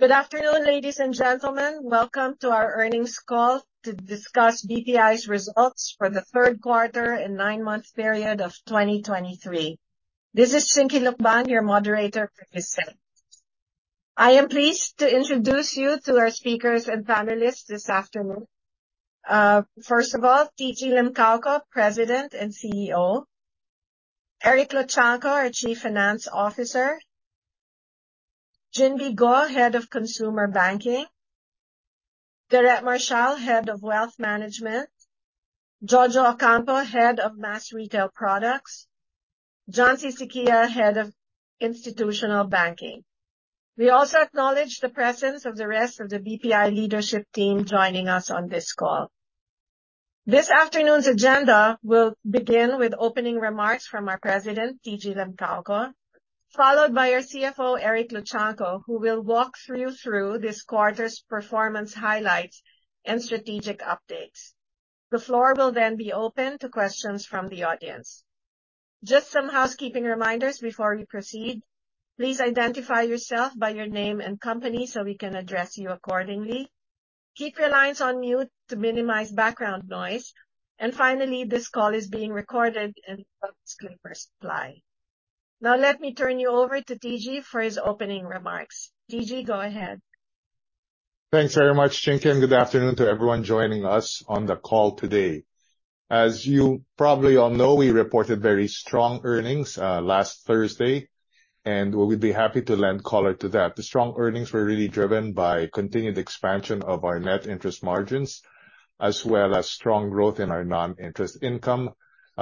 Good afternoon, ladies and gentlemen. Welcome to our earnings call to discuss BPI's results for the third quarter and nine-month period of 2023. This is Chinky Lukban, your moderator for this event. I am pleased to introduce you to our speakers and panelists this afternoon. First of all, TG Limcaoco, President and CEO. Eric Luchangco, our Chief Finance Officer. Ginbee Go, Head of Consumer Banking. Derek Marshall, Head of Wealth Management. Jojo Ocampo, Head of Mass Retail Products. John C. Syquia, Head of Institutional Banking. We also acknowledge the presence of the rest of the BPI leadership team joining us on this call. This afternoon's agenda will begin with opening remarks from our President, TG Limcaoco, followed by our CFO, Eric Luchangco, who will walk you through this quarter's performance highlights and strategic updates. The floor will then be open to questions from the audience. Just some housekeeping reminders before we proceed. Please identify yourself by your name and company, so we can address you accordingly. Keep your lines on mute to minimize background noise. Finally, this call is being recorded and disclaimers apply. Now, let me turn you over to TG for his opening remarks. TG Limcaoco, go ahead. Thanks very much, Chinky, and good afternoon to everyone joining us on the call today. As you probably all know, we reported very strong earnings last Thursday, and we'll be happy to lend color to that. The strong earnings were really driven by continued expansion of our net interest margins, as well as strong growth in our non-interest income,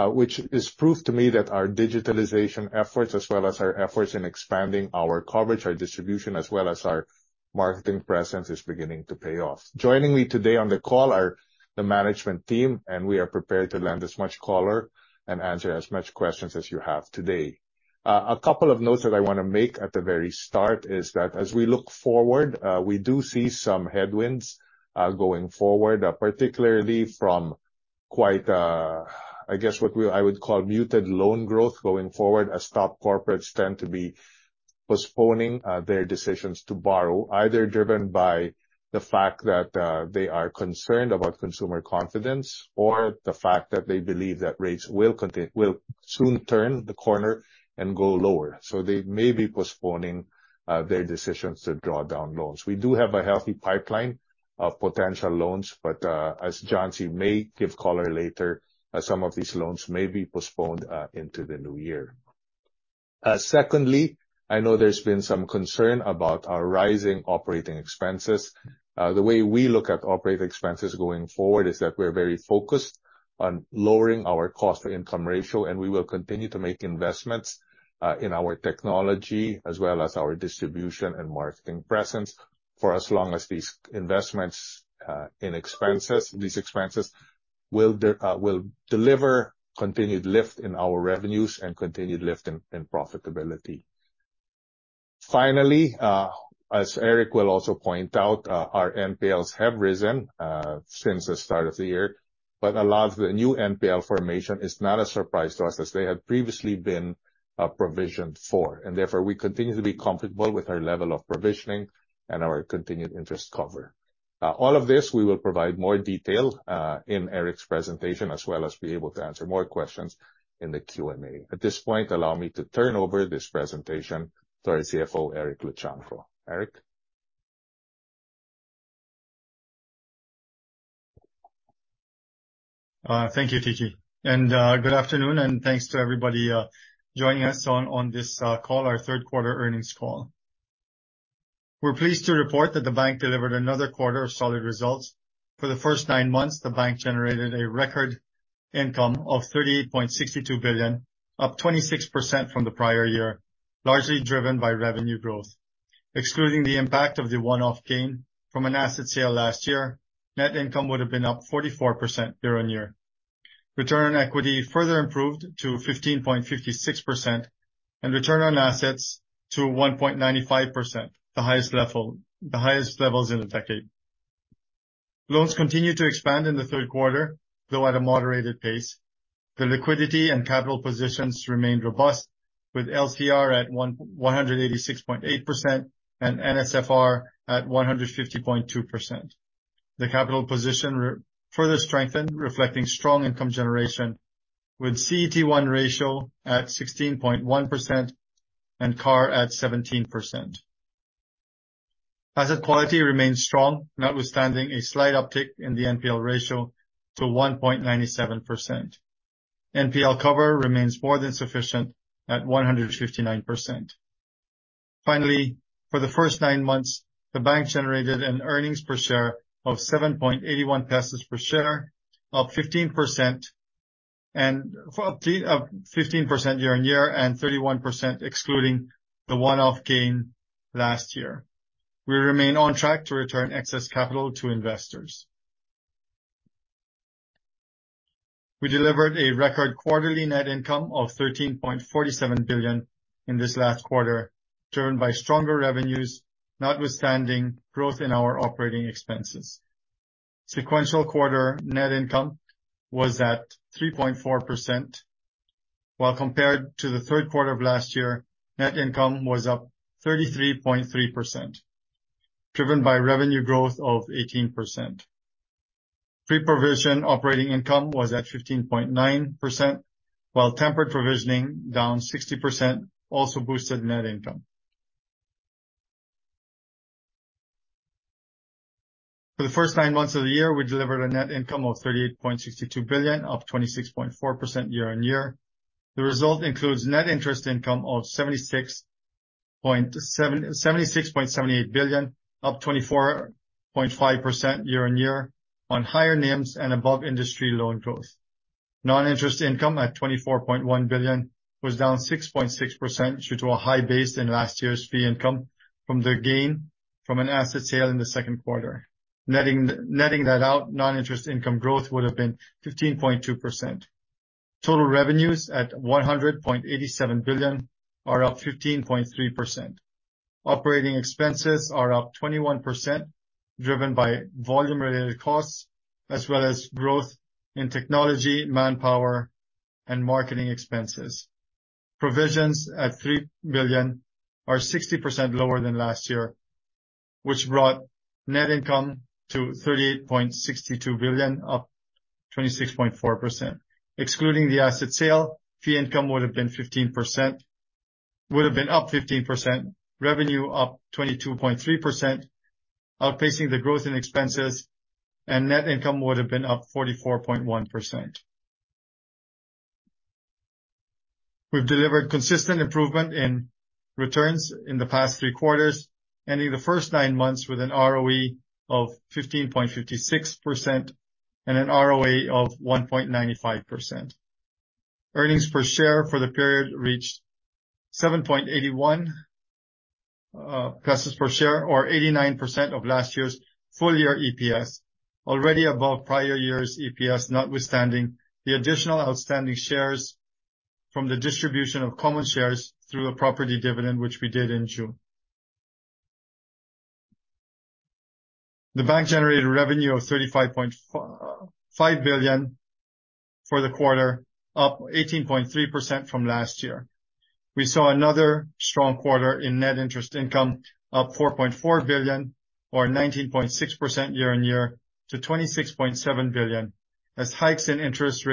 which is proof to me that our digitalization efforts as well as our efforts in expanding our coverage, our distribution, as well as our marketing presence is beginning to pay off. Joining me today on the call are the management team, and we are prepared to lend as much color and answer as much questions as you have today. A couple of notes that I wanna make at the very start is that as we look forward, we do see some headwinds going forward, particularly from, I guess, what I would call muted loan growth going forward, as top corporates tend to be postponing their decisions to borrow, either driven by the fact that they are concerned about consumer confidence or the fact that they believe that rates will soon turn the corner and go lower. So they may be postponing their decisions to draw down loans. We do have a healthy pipeline of potential loans, but as John C. may give color later, some of these loans may be postponed into the new year. Secondly, I know there's been some concern about our rising operating expenses. The way we look at operating expenses going forward is that we're very focused on lowering our cost-to-income ratio, and we will continue to make investments in our technology as well as our distribution and marketing presence for as long as these investments in expenses, these expenses will deliver continued lift in our revenues and continued lift in profitability. Finally, as Eric will also point out, our NPLs have risen since the start of the year, but a lot of the new NPL formation is not a surprise to us as they had previously been provisioned for. Therefore, we continue to be comfortable with our level of provisioning and our continued interest cover. All of this we will provide more detail in Eric's presentation, as well as be able to answer more questions in the Q&A. At this point, allow me to turn over this presentation to our CFO, Eric Luchangco. Eric? Thank you, TG. Good afternoon, and thanks to everybody joining us on this call, our third quarter earnings call. We're pleased to report that the bank delivered another quarter of solid results. For the first nine months, the bank generated a record income of 38.62 billion, up 26% from the prior year, largely driven by revenue growth. Excluding the impact of the one-off gain from an asset sale last year, net income would have been up 44% year-over-year. Return on equity further improved to 15.56% and return on assets to 1.95%, the highest levels in a decade. Loans continued to expand in the third quarter, though at a moderated pace. The liquidity and capital positions remained robust, with LCR at 186.8% and NSFR at 150.2%. The capital position further strengthened, reflecting strong income generation, with CET1 ratio at 16.1% and CAR at 17%. Asset quality remains strong, notwithstanding a slight uptick in the NPL ratio to 1.97%. NPL cover remains more than sufficient at 159%. Finally, for the first nine months, the bank generated an earnings per share of 7.81 pesos per share, up 15%, and up 15% year-on-year and 31% excluding the one-off gain last year. We remain on track to return excess capital to investors. We delivered a record quarterly net income of PHP 13.47 billion in this last quarter, driven by stronger revenues, notwithstanding growth in our operating expenses. Sequential quarter net income was at 3.4%. While compared to the third quarter of last year, net income was up 33.3%, driven by revenue growth of 18%. Pre-provision operating income was at 15.9%, while tempered provisioning down 60% also boosted net income. For the first nine months of the year, we delivered a net income of 38.62 billion, up 26.4% year-on-year. The result includes net interest income of 76.78 billion, up 24.5% year-on-year on higher NIMs and above industry loan growth. Noninterest income at 24.1 billion was down 6.6% due to a high base in last year's fee income from their gain from an asset sale in the second quarter. Netting that out, noninterest income growth would have been 15.2%. Total revenues at 187 billion are up 15.3%. Operating expenses are up 21%, driven by volume related costs as well as growth in technology, manpower, and marketing expenses. Provisions at 3 billion are 60% lower than last year, which brought net income to 38.62 billion, up 26.4%. Excluding the asset sale, fee income would have been up 15%, revenue up 22.3%, outpacing the growth in expenses, and net income would have been up 44.1%. We've delivered consistent improvement in returns in the past three quarters, ending the first nine months with an ROE of 15.56% and an ROA of 1.95%. Earnings per share for the period reached 7.81 pesos per share or 89% of last year's full year EPS, already above prior year's EPS, notwithstanding the additional outstanding shares from the distribution of common shares through a property dividend, which we did in June. The bank generated revenue of 35.5 billion for the quarter, up 18.3% from last year. We saw another strong quarter in net interest income, up 4.4 billion or 19.6% year-on-year to 26.7 billion as hikes in the interest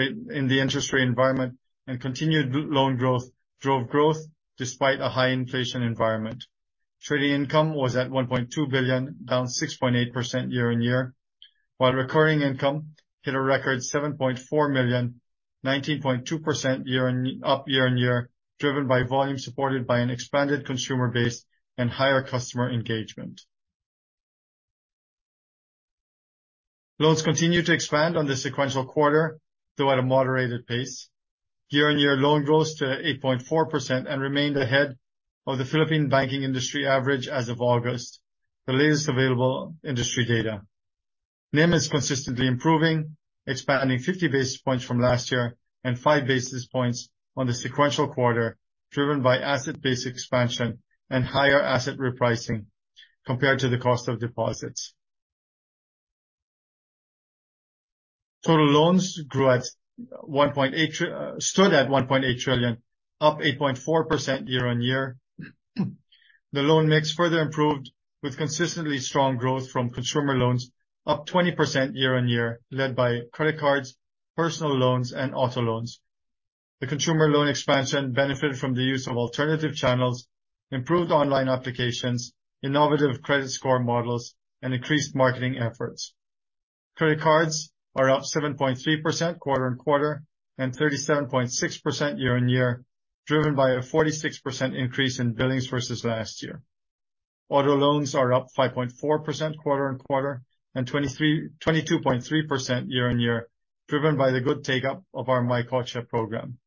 rate environment and continued loan growth drove growth despite a high inflation environment. Trading income was at 1.2 billion, down 6.8% year-on-year, while recurring income hit a record 7.4 million, 19.2% up year-on-year, driven by volume supported by an expanded consumer base and higher customer engagement. Loans continued to expand quarter-on-quarter, though at a moderated pace. Year-on-year loan growth to 8.4% and remained ahead of the Philippine banking industry average as of August, the latest available industry data. NIM is consistently improving, expanding 50 basis points from last year and 5 basis points quarter-on-quarter, driven by asset-based expansion and higher asset repricing compared to the cost of deposits. Total loans stood at 1.8 trillion, up 8.4% year-on-year. The loan mix further improved with consistently strong growth from consumer loans up 20% year-on-year led by credit cards, personal loans, and auto loans. The consumer loan expansion benefited from the use of alternative channels, improved online applications, innovative credit score models, and increased marketing efforts. Credit cards are up 7.3% quarter-on-quarter and 37.6% year-on-year, driven by a 46% increase in billings versus last year. Auto loans are up 5.4% quarter-on-quarter and 22.3% year-on-year, driven by the good take-up of our MyKotse program.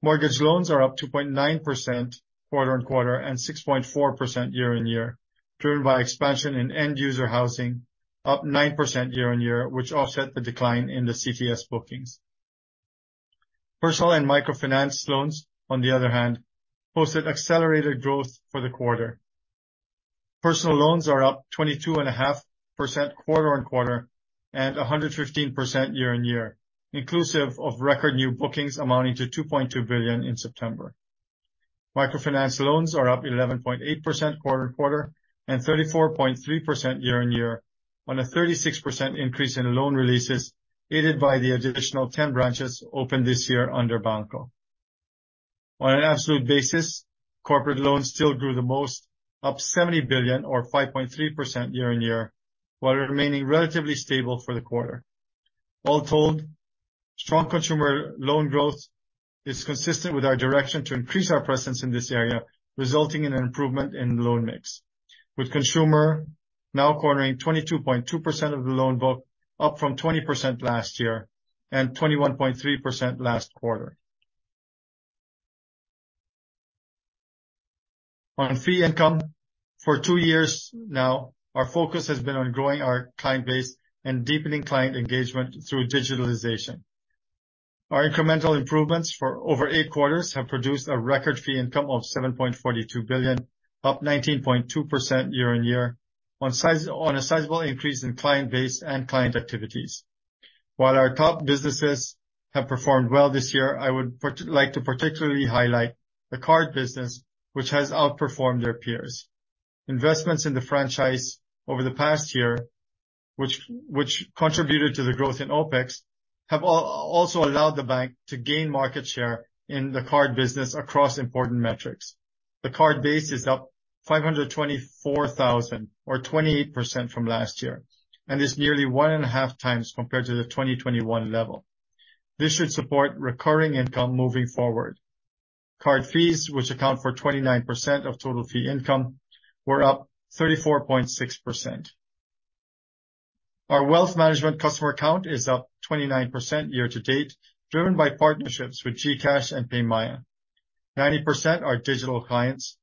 Mortgage loans are up 2.9% quarter-on-quarter and 6.4% year-on-year, driven by expansion in end user housing, up 9% year-on-year, which offset the decline in the CTS bookings. Personal and microfinance loans, on the other hand, posted accelerated growth for the quarter. Personal loans are up 22.5% quarter-on-quarter and 115% year-on-year, inclusive of record new bookings amounting to 2.2 billion in September. Microfinance loans are up 11.8% quarter-to-quarter and 34.3% year-on-year on a 36% increase in loan releases, aided by the additional 10 branches opened this year under BanKo. On an absolute basis, corporate loans still grew the most, up 70 billion or 5.3% year-on-year, while remaining relatively stable for the quarter. All told, strong consumer loan growth is consistent with our direction to increase our presence in this area, resulting in an improvement in loan mix, with consumer now cornering 22.2% of the loan book, up from 20% last year and 21.3% last quarter. On fee income for two years now, our focus has been on growing our client base and deepening client engagement through digitalization. Our incremental improvements for over eight quarters have produced a record fee income of 7.42 billion, up 19.2% year-on-year. On a sizable increase in client base and client activities. While our top businesses have performed well this year, I would like to particularly highlight the card business, which has outperformed their peers. Investments in the franchise over the past year, which contributed to the growth in OpEx, have also allowed the bank to gain market share in the card business across important metrics. The card base is up 524,000 or 28% from last year, and is nearly 1.5 times compared to the 2021 level. This should support recurring income moving forward. Card fees, which account for 29% of total fee income, were up 34.6%. Our wealth management customer account is up 29% year to date, driven by partnerships with GCash and PayMaya. 90% are digital clients.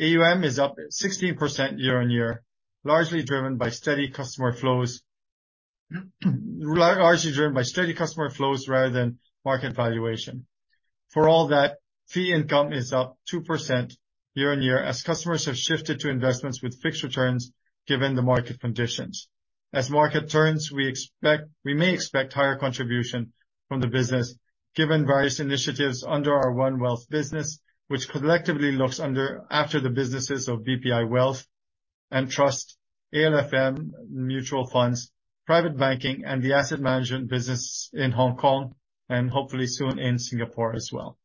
AUM is up 16% year-on-year, largely driven by steady customer flows rather than market valuation. For all that, fee income is up 2% year-on-year as customers have shifted to investments with fixed returns given the market conditions. As market turns, we may expect higher contribution from the business given various initiatives under our OneWealth business, which collectively looks after the businesses of BPI Wealth and Trust, ALFM Mutual Funds, Private Banking, and the Asset Management business in Hong Kong, and hopefully soon in Singapore as well.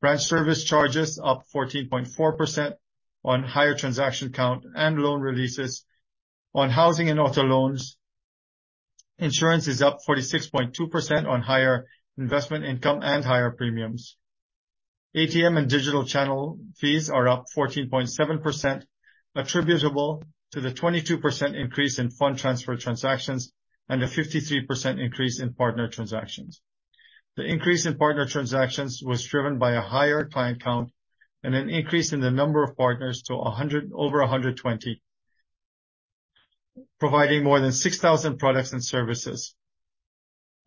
Branch service charges up 14.4% on higher transaction count and loan releases on housing and auto loans. Insurance is up 46.2% on higher investment income and higher premiums. ATM and digital channel fees are up 14.7% attributable to the 22% increase in fund transfer transactions and a 53% increase in partner transactions. The increase in partner transactions was driven by a higher client count and an increase in the number of partners to 100, over 120, providing more than 6,000 products and services.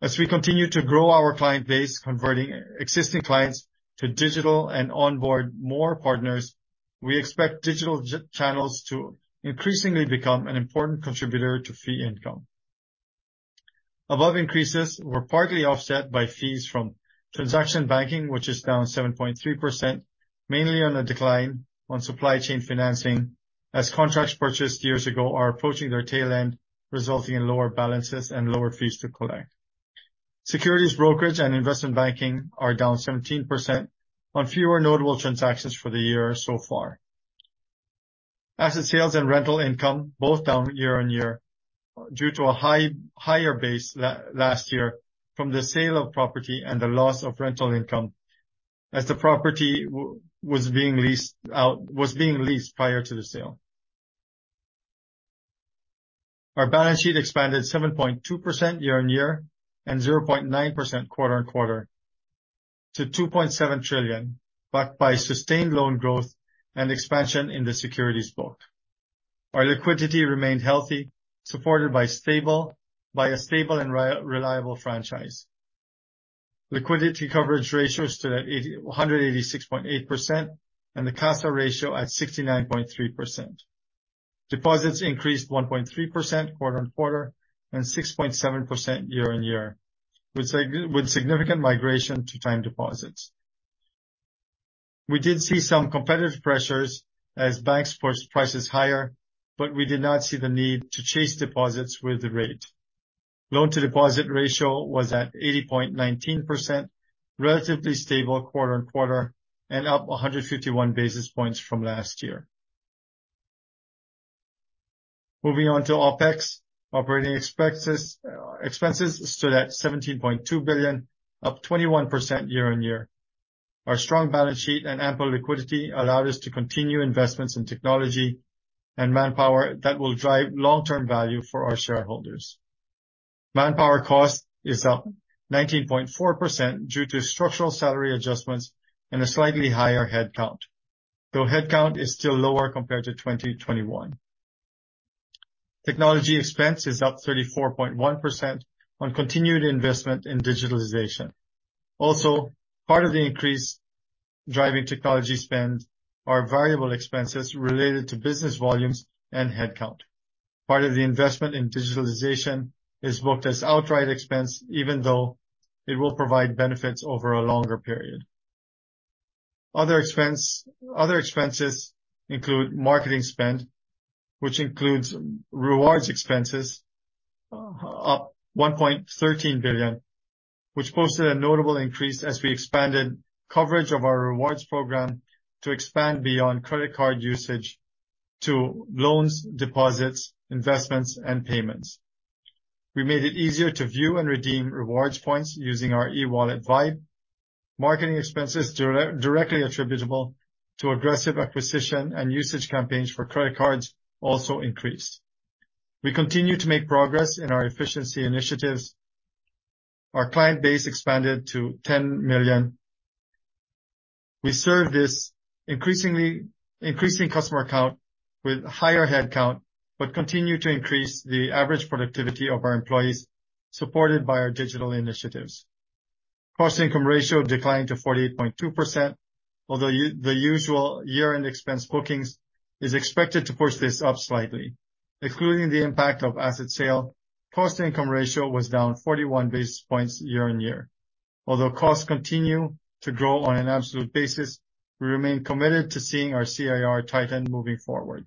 As we continue to grow our client base, converting existing clients to digital and onboard more partners, we expect digital channels to increasingly become an important contributor to fee income. Above increases were partly offset by fees from transaction banking, which is down 7.3%, mainly on a decline on supply chain financing, as contracts purchased years ago are approaching their tail end, resulting in lower balances and lower fees to collect. Securities brokerage and investment banking are down 17% on fewer notable transactions for the year so far. Asset sales and rental income both down year-on-year due to a higher base last year from the sale of property and the loss of rental income as the property was being leased out prior to the sale. Our balance sheet expanded 7.2% year-on-year and 0.9% quarter-on-quarter to 2.7 trillion, backed by sustained loan growth and expansion in the securities book. Our liquidity remained healthy, supported by a stable and reliable franchise. Liquidity coverage ratios stood at 186.8%, and the CASA ratio at 69.3%. Deposits increased 1.3% quarter-on-quarter and 6.7% year-on-year, with significant migration to time deposits. We did see some competitive pressures as banks pushed prices higher, but we did not see the need to chase deposits with the rate. Loan to deposit ratio was at 80.19%, relatively stable quarter-on-quarter and up 151 basis points from last year. Moving on to OpEx. Operating expenses stood at 17.2 billion, up 21% year-on-year. Our strong balance sheet and ample liquidity allowed us to continue investments in technology and manpower that will drive long-term value for our shareholders. Manpower cost is up 19.4% due to structural salary adjustments and a slightly higher headcount, though headcount is still lower compared to 2021. Technology expense is up 34.1% on continued investment in digitalization. Also, part of the increase driving technology spend are variable expenses related to business volumes and headcount. Part of the investment in digitalization is booked as outright expense, even though it will provide benefits over a longer period. Other expenses include marketing spend, which includes rewards expenses up 1.13 billion, which posted a notable increase as we expanded coverage of our rewards program to expand beyond credit card usage to loans, deposits, investments, and payments. We made it easier to view and redeem rewards points using our eWallet VYBE. Marketing expenses directly attributable to aggressive acquisition and usage campaigns for credit cards also increased. We continue to make progress in our efficiency initiatives. Our client base expanded to 10 million. We serve this increasingly increasing customer account with higher headcount, but continue to increase the average productivity of our employees, supported by our digital initiatives. Cost-income ratio declined to 48.2%, although the usual year-end expense bookings is expected to push this up slightly. Excluding the impact of asset sale, cost-income ratio was down 41 basis points year-on-year. Although costs continue to grow on an absolute basis, we remain committed to seeing our CIR tighten moving forward.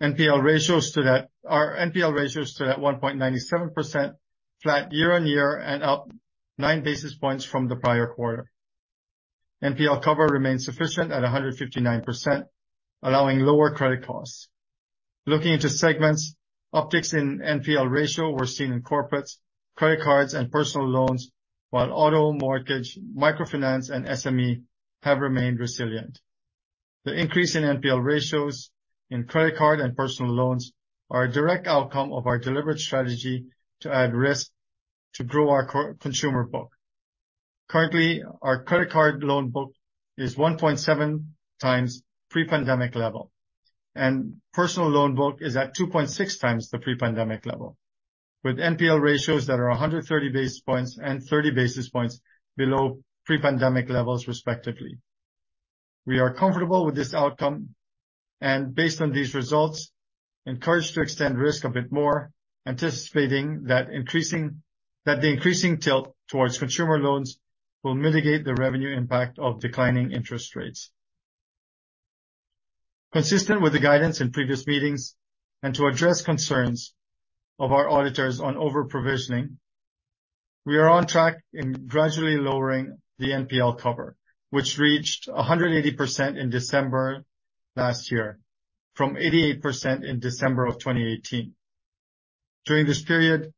NPL ratios stood at 1.97% flat year-on-year and up 9 basis points from the prior quarter. NPL cover remains sufficient at 159%, allowing lower credit costs. Looking into segments, upticks in NPL ratio were seen in corporates, credit cards and personal loans, while auto mortgage, microfinance and SME have remained resilient. The increase in NPL ratios in credit card and personal loans are a direct outcome of our deliberate strategy to add risk to grow our consumer book. Currently, our credit card loan book is 1.7 times pre-pandemic level, and personal loan book is at 2.6x the pre-pandemic level, with NPL ratios that are 130 basis points and 30 basis points below pre-pandemic levels respectively. We are comfortable with this outcome and based on these results, encouraged to extend risk a bit more, anticipating that the increasing tilt towards consumer loans will mitigate the revenue impact of declining interest rates. Consistent with the guidance in previous meetings and to address concerns of our auditors on over-provisioning, we are on track in gradually lowering the NPL cover, which reached 180% in December last year from 88% in December 2018. During this period,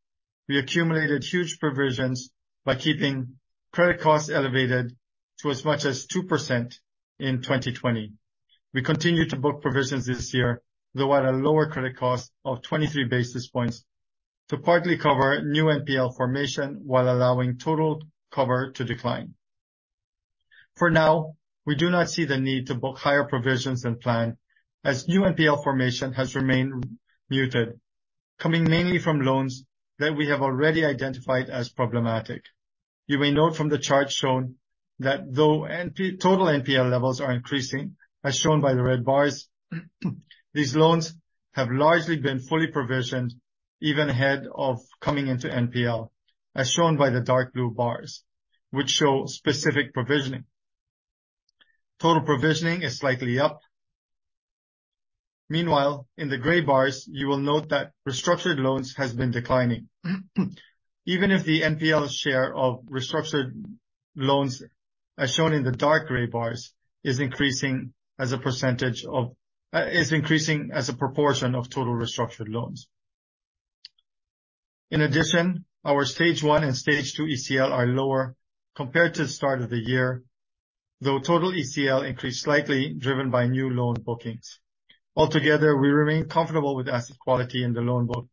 we accumulated huge provisions by keeping credit costs elevated to as much as 2% in 2020. We continue to book provisions this year, though at a lower credit cost of 23 basis points to partly cover new NPL formation while allowing total cover to decline. For now, we do not see the need to book higher provisions than planned, as new NPL formation has remained muted, coming mainly from loans that we have already identified as problematic. You may note from the chart shown that though NP total NPL levels are increasing, as shown by the red bars, these loans have largely been fully provisioned even ahead of coming into NPL, as shown by the dark blue bars, which show specific provisioning. Total provisioning is slightly up. Meanwhile, in the gray bars, you will note that restructured loans has been declining. Even if the NPL share of restructured loans, as shown in the dark gray bars, is increasing as a proportion of total restructured loans. In addition, our stage one and stage two ECL are lower compared to the start of the year, though total ECL increased slightly, driven by new loan bookings. Altogether, we remain comfortable with asset quality in the loan book,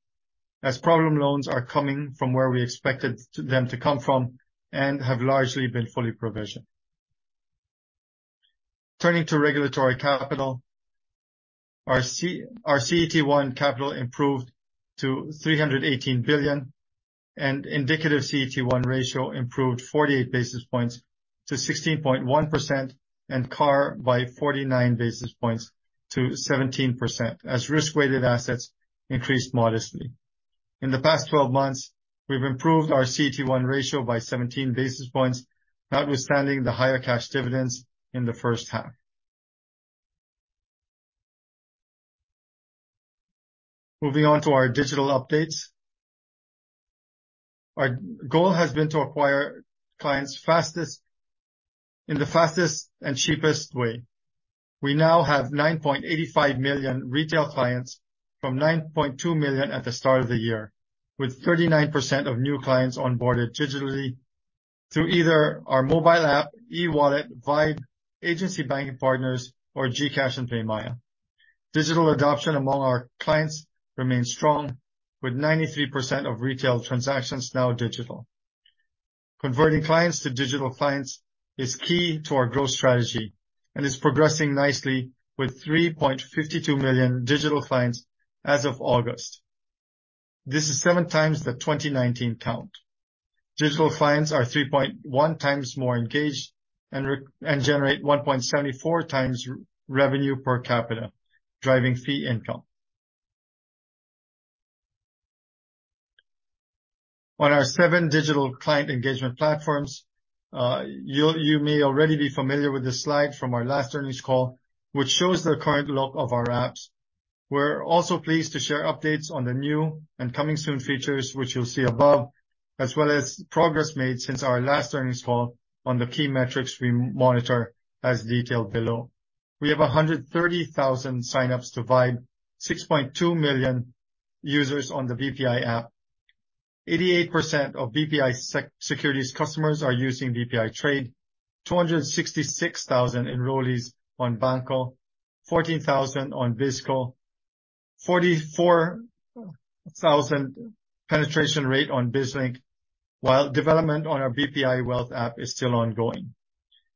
as problem loans are coming from where we expected them to come from and have largely been fully provisioned. Turning to regulatory capital. Our CET1 capital improved to 318 billion, and indicative CET1 ratio improved 48 basis points to 16.1% and CAR by 49 basis points to 17% as risk-weighted assets increased modestly. In the past 12 months, we've improved our CET1 ratio by 17 basis points, notwithstanding the higher cash dividends in the first half. Moving on to our digital updates. Our goal has been to acquire clients in the fastest and cheapest way. We now have 9.85 million retail clients from 9.2 million at the start of the year, with 39% of new clients onboarded digitally through either our mobile app, eWallet, VYBE, agency banking partners, or GCash and PayMaya. Digital adoption among our clients remains strong, with 93% of retail transactions now digital. Converting clients to digital clients is key to our growth strategy and is progressing nicely with 3.52 million digital clients as of August. This is 7 times the 2019 count. Digital clients are 3.1x more engaged and generate 1.74x revenue per capita, driving fee income. On our seven digital client engagement platforms, you may already be familiar with this slide from our last earnings call, which shows the current look of our apps. We're also pleased to share updates on the new and coming soon features, which you'll see above, as well as progress made since our last earnings call on the key metrics we monitor, as detailed below. We have 130,000 signups to VYBE, 6.2 million users on the BPI app. 88% of BPI Securities customers are using BPI Trade, 266,000 enrollees on BanKo, 14,000 on BizKo, 44% penetration rate on BizLink, while development on our BPI Wealth app is still ongoing.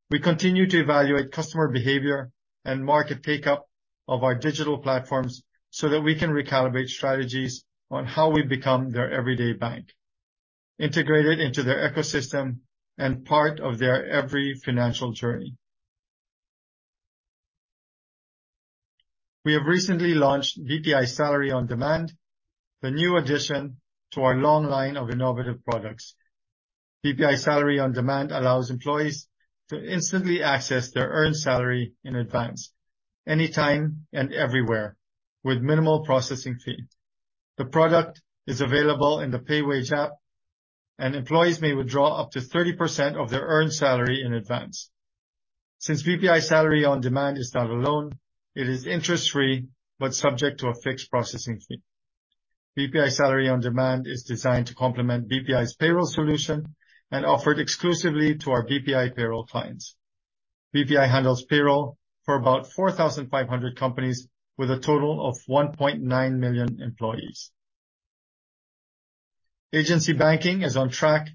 We continue to evaluate customer behavior and market take-up of our digital platforms so that we can recalibrate strategies on how we become their everyday bank, integrated into their ecosystem and part of their every financial journey. We have recently launched BPI Salary On-Demand, the new addition to our long line of innovative products. BPI Salary On-Demand allows employees to instantly access their earned salary in advance, anytime and everywhere, with minimal processing fee. The product is available in the PayWage app, and employees may withdraw up to 30% of their earned salary in advance. Since BPI Salary On-Demand is not a loan, it is interest-free but subject to a fixed processing fee. BPI Salary On-Demand is designed to complement BPI's payroll solution and offered exclusively to our BPI payroll clients. BPI handles payroll for about 4,500 companies with a total of 1.9 million employees. Agency banking is on track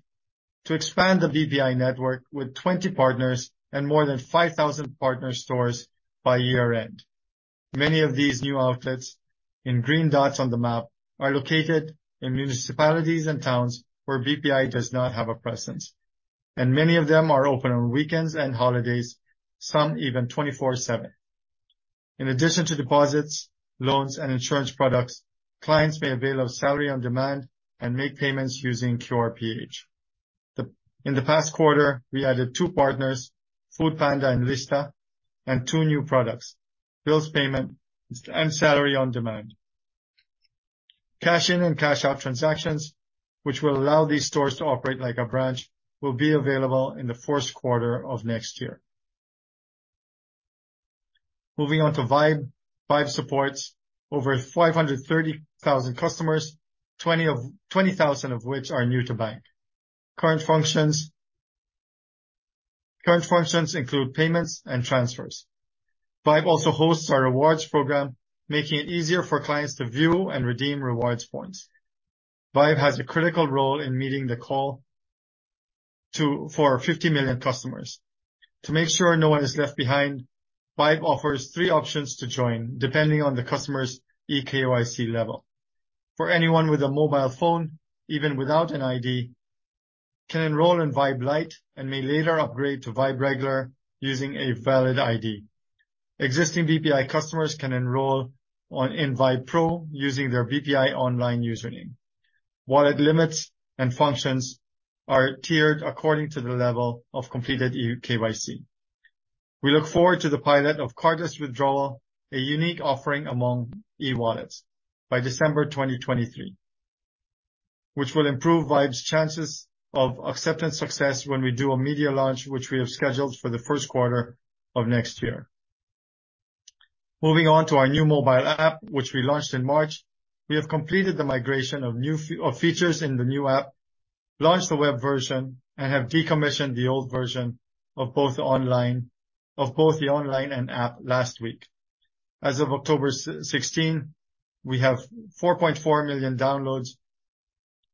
to expand the BPI network with 20 partners and more than 5,000 partner stores by year-end. Many of these new outlets in green dots on the map are located in municipalities and towns where BPI does not have a presence, and many of them are open on weekends and holidays, some even 24/7. In addition to deposits, loans, and insurance products, clients may avail of salary on demand and make payments using QRPH. In the past quarter, we added two partners, Foodpanda and Lista, and two new products, bills payment and Salary on Demand. Cash-in and cash-out transactions, which will allow these stores to operate like a branch, will be available in the first quarter of next year. Moving on to Vibe. Vibe supports over 530,000 customers, 20,000 of which are new to bank. Current functions include payments and transfers. VYBE also hosts our rewards program, making it easier for clients to view and redeem rewards points. VYBE has a critical role in meeting the call for 50 million customers. To make sure no one is left behind, VYBE offers three options to join depending on the customer's eKYC level. For anyone with a mobile phone, even without an ID, can enroll in VYBE Lite and may later upgrade to VYBE Regular using a valid ID. Existing BPI customers can enroll in VYBE Pro using their BPI online username. Wallet limits and functions are tiered according to the level of completed eKYC. We look forward to the pilot of cardless withdrawal, a unique offering among e-wallets by December 2023, which will improve VYBE's chances of acceptance success when we do a media launch, which we have scheduled for the first quarter of next year. Moving on to our new mobile app, which we launched in March. We have completed the migration of features in the new app, launched the web version, and have decommissioned the old version of both the online and app last week. As of October 16, we have 4.4 million downloads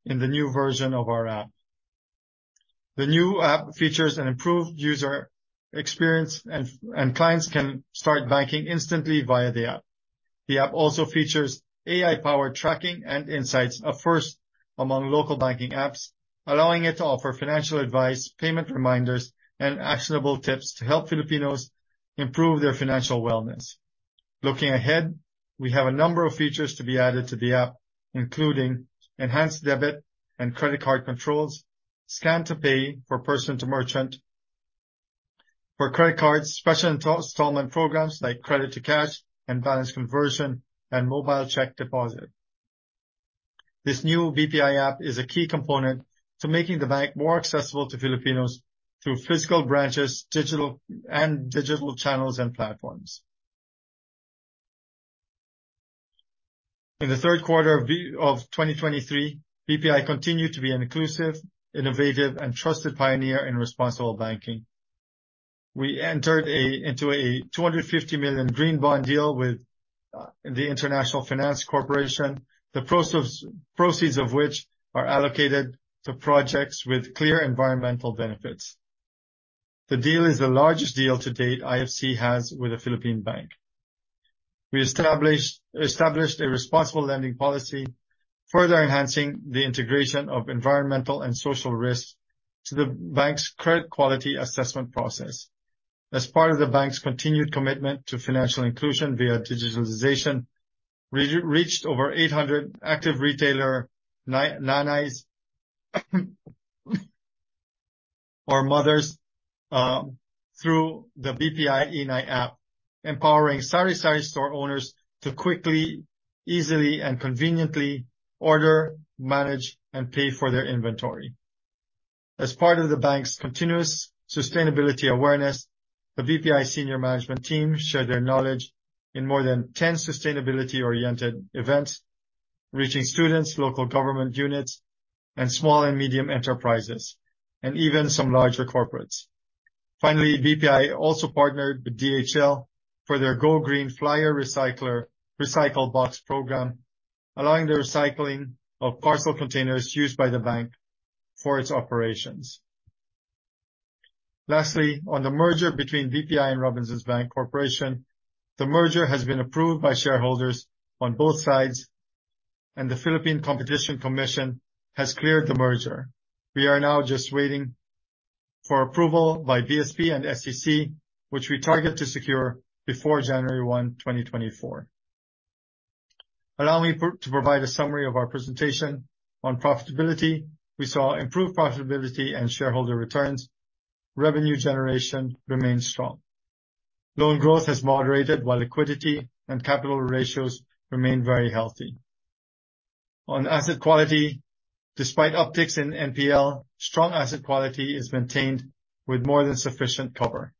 in the new version of our app. The new app features an improved user experience and clients can start banking instantly via the app. The app also features AI-powered tracking and insights, a first among local banking apps, allowing it to offer financial advice, payment reminders, and actionable tips to help Filipinos improve their financial wellness. Looking ahead, we have a number of features to be added to the app, including enhanced debit and credit card controls, scan-to-pay for person to merchant. For credit cards, special installment programs like credit to cash and balance conversion and mobile check deposit. This new BPI app is a key component to making the bank more accessible to Filipinos through physical branches, digital, and digital channels and platforms. In the third quarter of 2023, BPI continued to be an inclusive, innovative, and trusted pioneer in responsible banking. We entered into a 250 million green bond deal with the International Finance Corporation, the proceeds of which are allocated to projects with clear environmental benefits. The deal is the largest deal to date IFC has with a Philippine bank. We established a responsible lending policy, further enhancing the integration of environmental and social risks to the bank's credit quality assessment process. As part of the bank's continued commitment to financial inclusion via digitalization, reached over 800 active retailers, nanays or mothers, through the BPI e'Nay app, empowering sari-sari store owners to quickly, easily, and conveniently order, manage, and pay for their inventory. As part of the bank's continuous sustainability awareness, the BPI senior management team shared their knowledge in more than 10 sustainability-oriented events, reaching students, local government units, and small and medium enterprises, and even some larger corporates. Finally, BPI also partnered with DHL for their GoGreen Plastic Flyer Recycle Box program, allowing the recycling of parcel containers used by the bank for its operations. Lastly, on the merger between BPI and Robinsons Bank Corporation, the merger has been approved by shareholders on both sides, and the Philippine Competition Commission has cleared the merger. We are now just waiting for approval by BSP and SEC, which we target to secure before January 1, 2024. Allow me to provide a summary of our presentation. On profitability, we saw improved profitability and shareholder returns. Revenue generation remains strong. Loan growth has moderated while liquidity and capital ratios remain very healthy. On asset quality, despite upticks in NPL, strong asset quality is maintained with more than sufficient cover.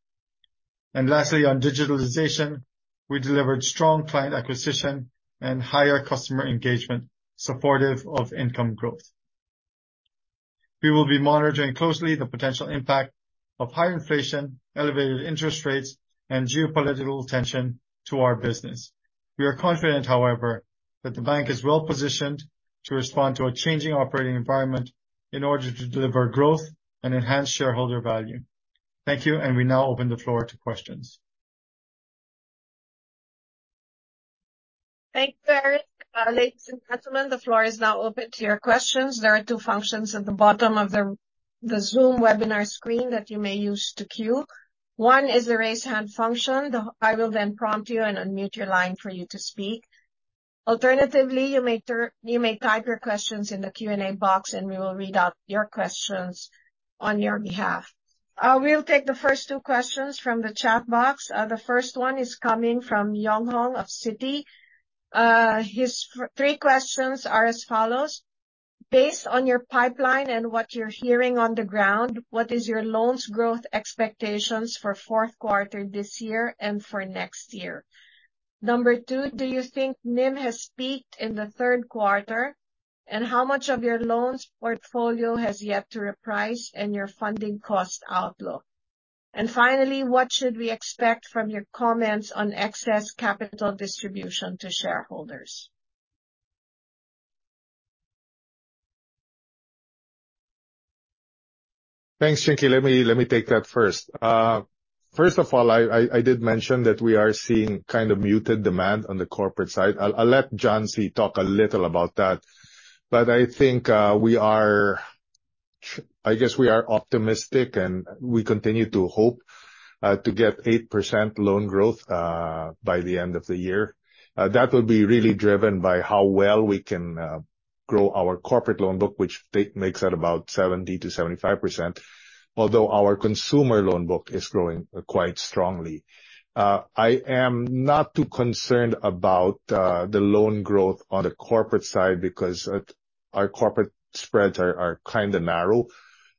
Lastly, on digitalization, we delivered strong client acquisition and higher customer engagement supportive of income growth. We will be monitoring closely the potential impact of higher inflation, elevated interest rates, and geopolitical tension to our business. We are confident, however, that the bank is well-positioned to respond to a changing operating environment in order to deliver growth and enhance shareholder value. Thank you, and we now open the floor to questions. Thanks, Eric. Ladies and gentlemen, the floor is now open to your questions. There are two functions at the bottom of the Zoom webinar screen that you may use to queue. One is the raise hand function. I will then prompt you and unmute your line for you to speak. Alternatively, you may type your questions in the Q&A box, and we will read out your questions on your behalf. We'll take the first two questions from the chat box. The first one is coming from Yong Hong of Citi. His first three questions are as follows. Based on your pipeline and what you're hearing on the ground, what is your loan growth expectations for fourth quarter this year and for next year? Number two, do you think NIM has peaked in the third quarter? How much of your loans portfolio has yet to reprice and your funding cost outlook? Finally, what should we expect from your comments on excess capital distribution to shareholders? Thanks, Chinky. Let me take that first. First of all, I did mention that we are seeing kind of muted demand on the corporate side. I'll let John C. talk a little about that. I think we are optimistic, and we continue to hope to get 8% loan growth by the end of the year. That will be really driven by how well we can grow our corporate loan book, which makes up about 70%-75%. Although our consumer loan book is growing quite strongly. I am not too concerned about the loan growth on the corporate side because our corporate spreads are kinda narrow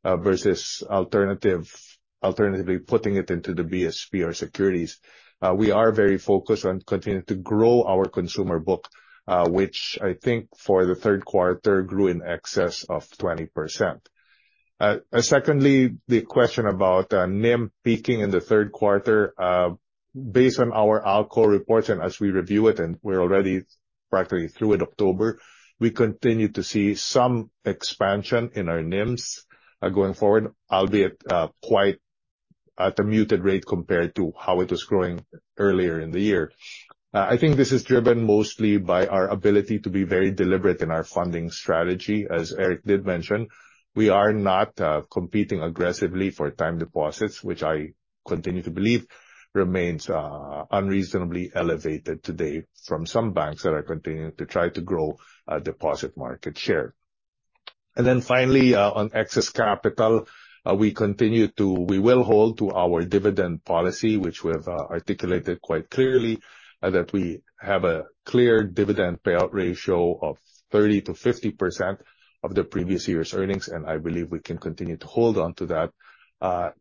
versus alternatively putting it into the BSP or securities. We are very focused on continuing to grow our consumer book, which I think for the third quarter grew in excess of 20%. Secondly, the question about NIM peaking in the third quarter. Based on our ALCO reports and as we review it, and we're already practically through in October, we continue to see some expansion in our NIMs going forward, albeit quite at a muted rate compared to how it was growing earlier in the year. I think this is driven mostly by our ability to be very deliberate in our funding strategy. As Eric did mention, we are not competing aggressively for time deposits, which I continue to believe remains unreasonably elevated today from some banks that are continuing to try to grow deposit market share. Finally, on excess capital, we will hold to our dividend policy, which we've articulated quite clearly, that we have a clear dividend payout ratio of 30%-50% of the previous year's earnings. I believe we can continue to hold on to that,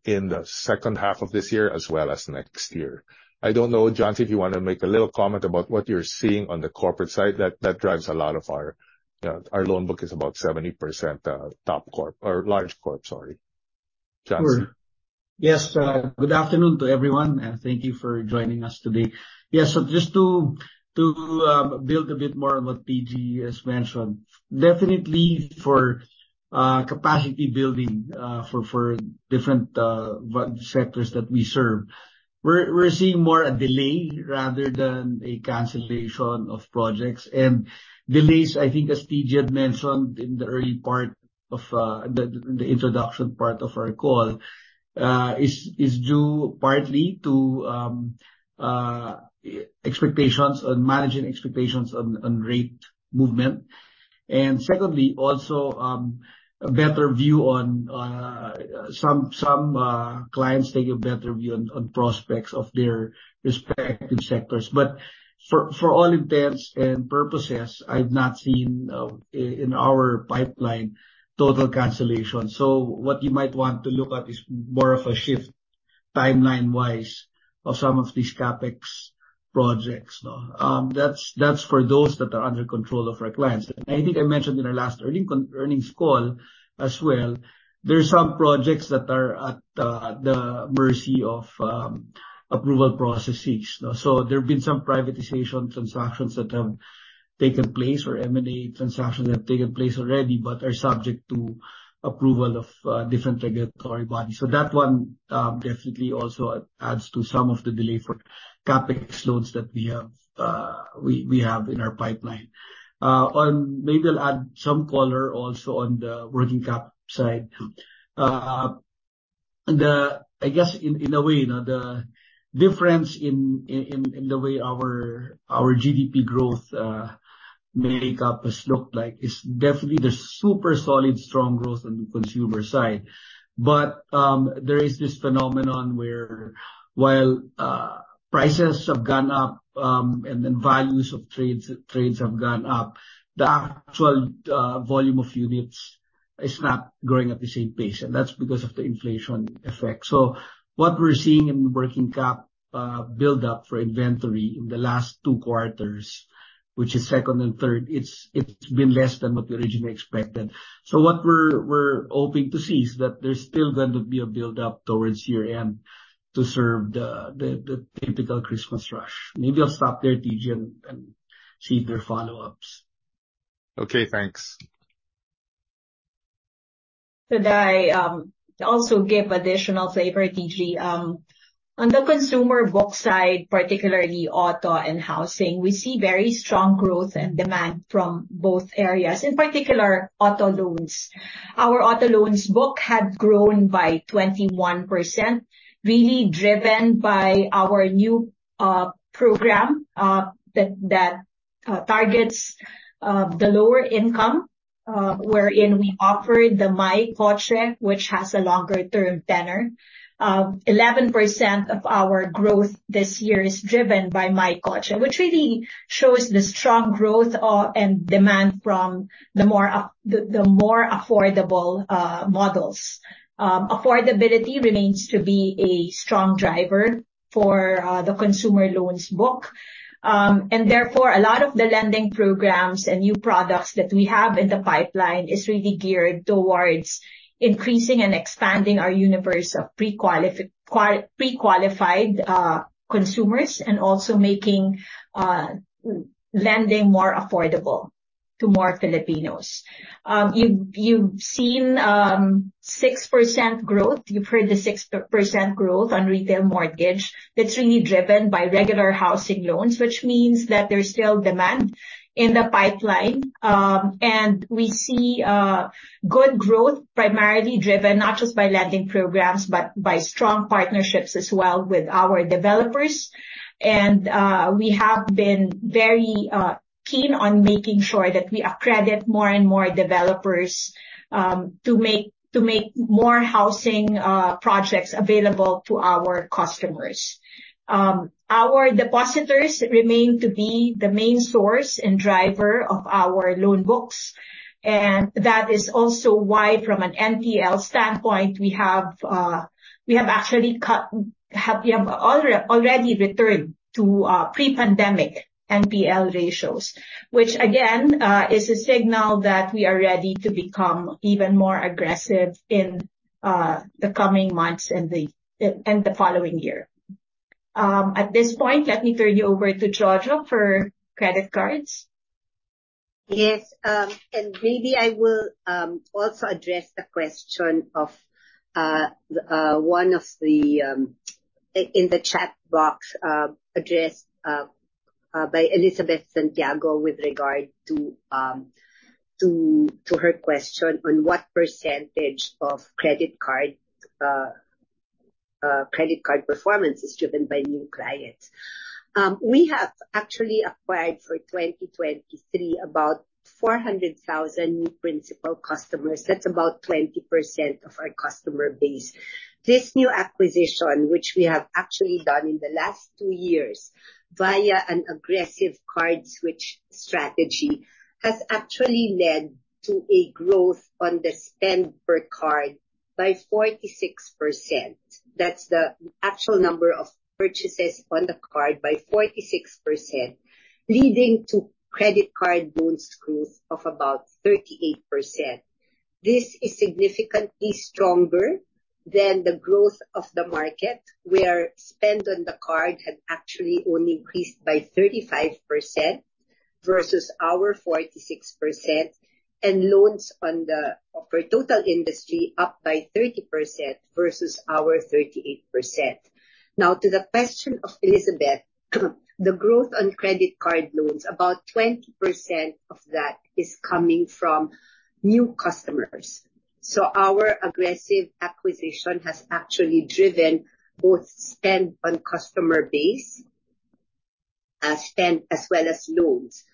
in the second half of this year as well as next year. I don't know, John, if you wanna make a little comment about what you're seeing on the corporate side. That drives a lot of our loan book is about 70%, top corp or large corp, sorry. John. Sure. Yes. Good afternoon to everyone, and thank you for joining us today. Yes. To build a bit more on what TG just mentioned. Definitely for capacity building for different various sectors that we serve. We're seeing more of a delay rather than a cancellation of projects. Delays, I think as TG had mentioned in the early part of the introduction part of our call, is due partly to expectations on managing expectations on rate movement. Secondly, a better view on some clients take a better view on prospects of their respective sectors. For all intents and purposes, I've not seen in our pipeline total cancellation. What you might want to look at is more of a shift, timeline-wise, of some of these CapEx projects, no? That's for those that are under control of our clients. I think I mentioned in our last earnings call as well. There are some projects that are at the mercy of approval processes, no. There have been some privatization transactions that have taken place or M&A transactions that have taken place already, but are subject to approval of different regulatory bodies. That one definitely also adds to some of the delay for CapEx loans that we have in our pipeline. Maybe I'll add some color also on the working cap side. I guess in a way, you know, the difference in the way our GDP growth makeup has looked like is definitely the super solid strong growth on the consumer side. There is this phenomenon where while prices have gone up and then values of trades have gone up, the actual volume of units is not growing at the same pace, and that's because of the inflation effect. What we're seeing in working cap build up for inventory in the last two quarters, which is second and third, it's been less than what we originally expected. What we're hoping to see is that there's still going to be a build up towards year-end to serve the typical Christmas rush. Maybe I'll stop there, TG, and see if there are follow-ups. Okay, thanks. Could I also give additional flavor, TG? On the consumer book side, particularly auto and housing, we see very strong growth and demand from both areas, in particular auto loans. Our auto loans book had grown by 21%, really driven by our new program that targets the lower income, wherein we offer the MyKotse, which has a longer term tenor. 11% of our growth this year is driven by MyKotse, which really shows the strong growth and demand from the more affordable models. Affordability remains to be a strong driver for the consumer loans book. Therefore, a lot of the lending programs and new products that we have in the pipeline is really geared towards increasing and expanding our universe of pre-qualified consumers and also making lending more affordable to more Filipinos. You've seen 6% growth. You've heard the 6% growth on retail mortgage. That's really driven by regular housing loans, which means that there's still demand in the pipeline. We see good growth primarily driven not just by lending programs, but by strong partnerships as well with our developers. We have been very keen on making sure that we accredit more and more developers to make more housing projects available to our customers. Our depositors remain to be the main source and driver of our loan books, and that is also why from an NPL standpoint, we have already returned to pre-pandemic NPL ratios, which again is a signal that we are ready to become even more aggressive in the coming months and the following year. At this point, let me turn you over to Jojo for credit cards. Yes. Maybe I will also address the question of one of the in the chat box addressed by Elizabeth Santiago with regard to her question on what percentage of credit card performance is driven by new clients. We have actually acquired for 2023 about 400,000 new principal customers. That's about 20% of our customer base. This new acquisition, which we have actually done in the last two years via an aggressive card switch strategy, has actually led to a growth on the spend per card by 46%. That's the actual number of purchases on the card by 46%, leading to credit card loans growth of about 38%. This is significantly stronger than the growth of the market, where spend on the card had actually only increased by 35% versus our 46%, and loans for total industry up by 30% versus our 38%. Now, to the question of Elizabeth, the growth on credit card loans, about 20% of that is coming from new customers. Our aggressive acquisition has actually driven both spend and customer base as well as loans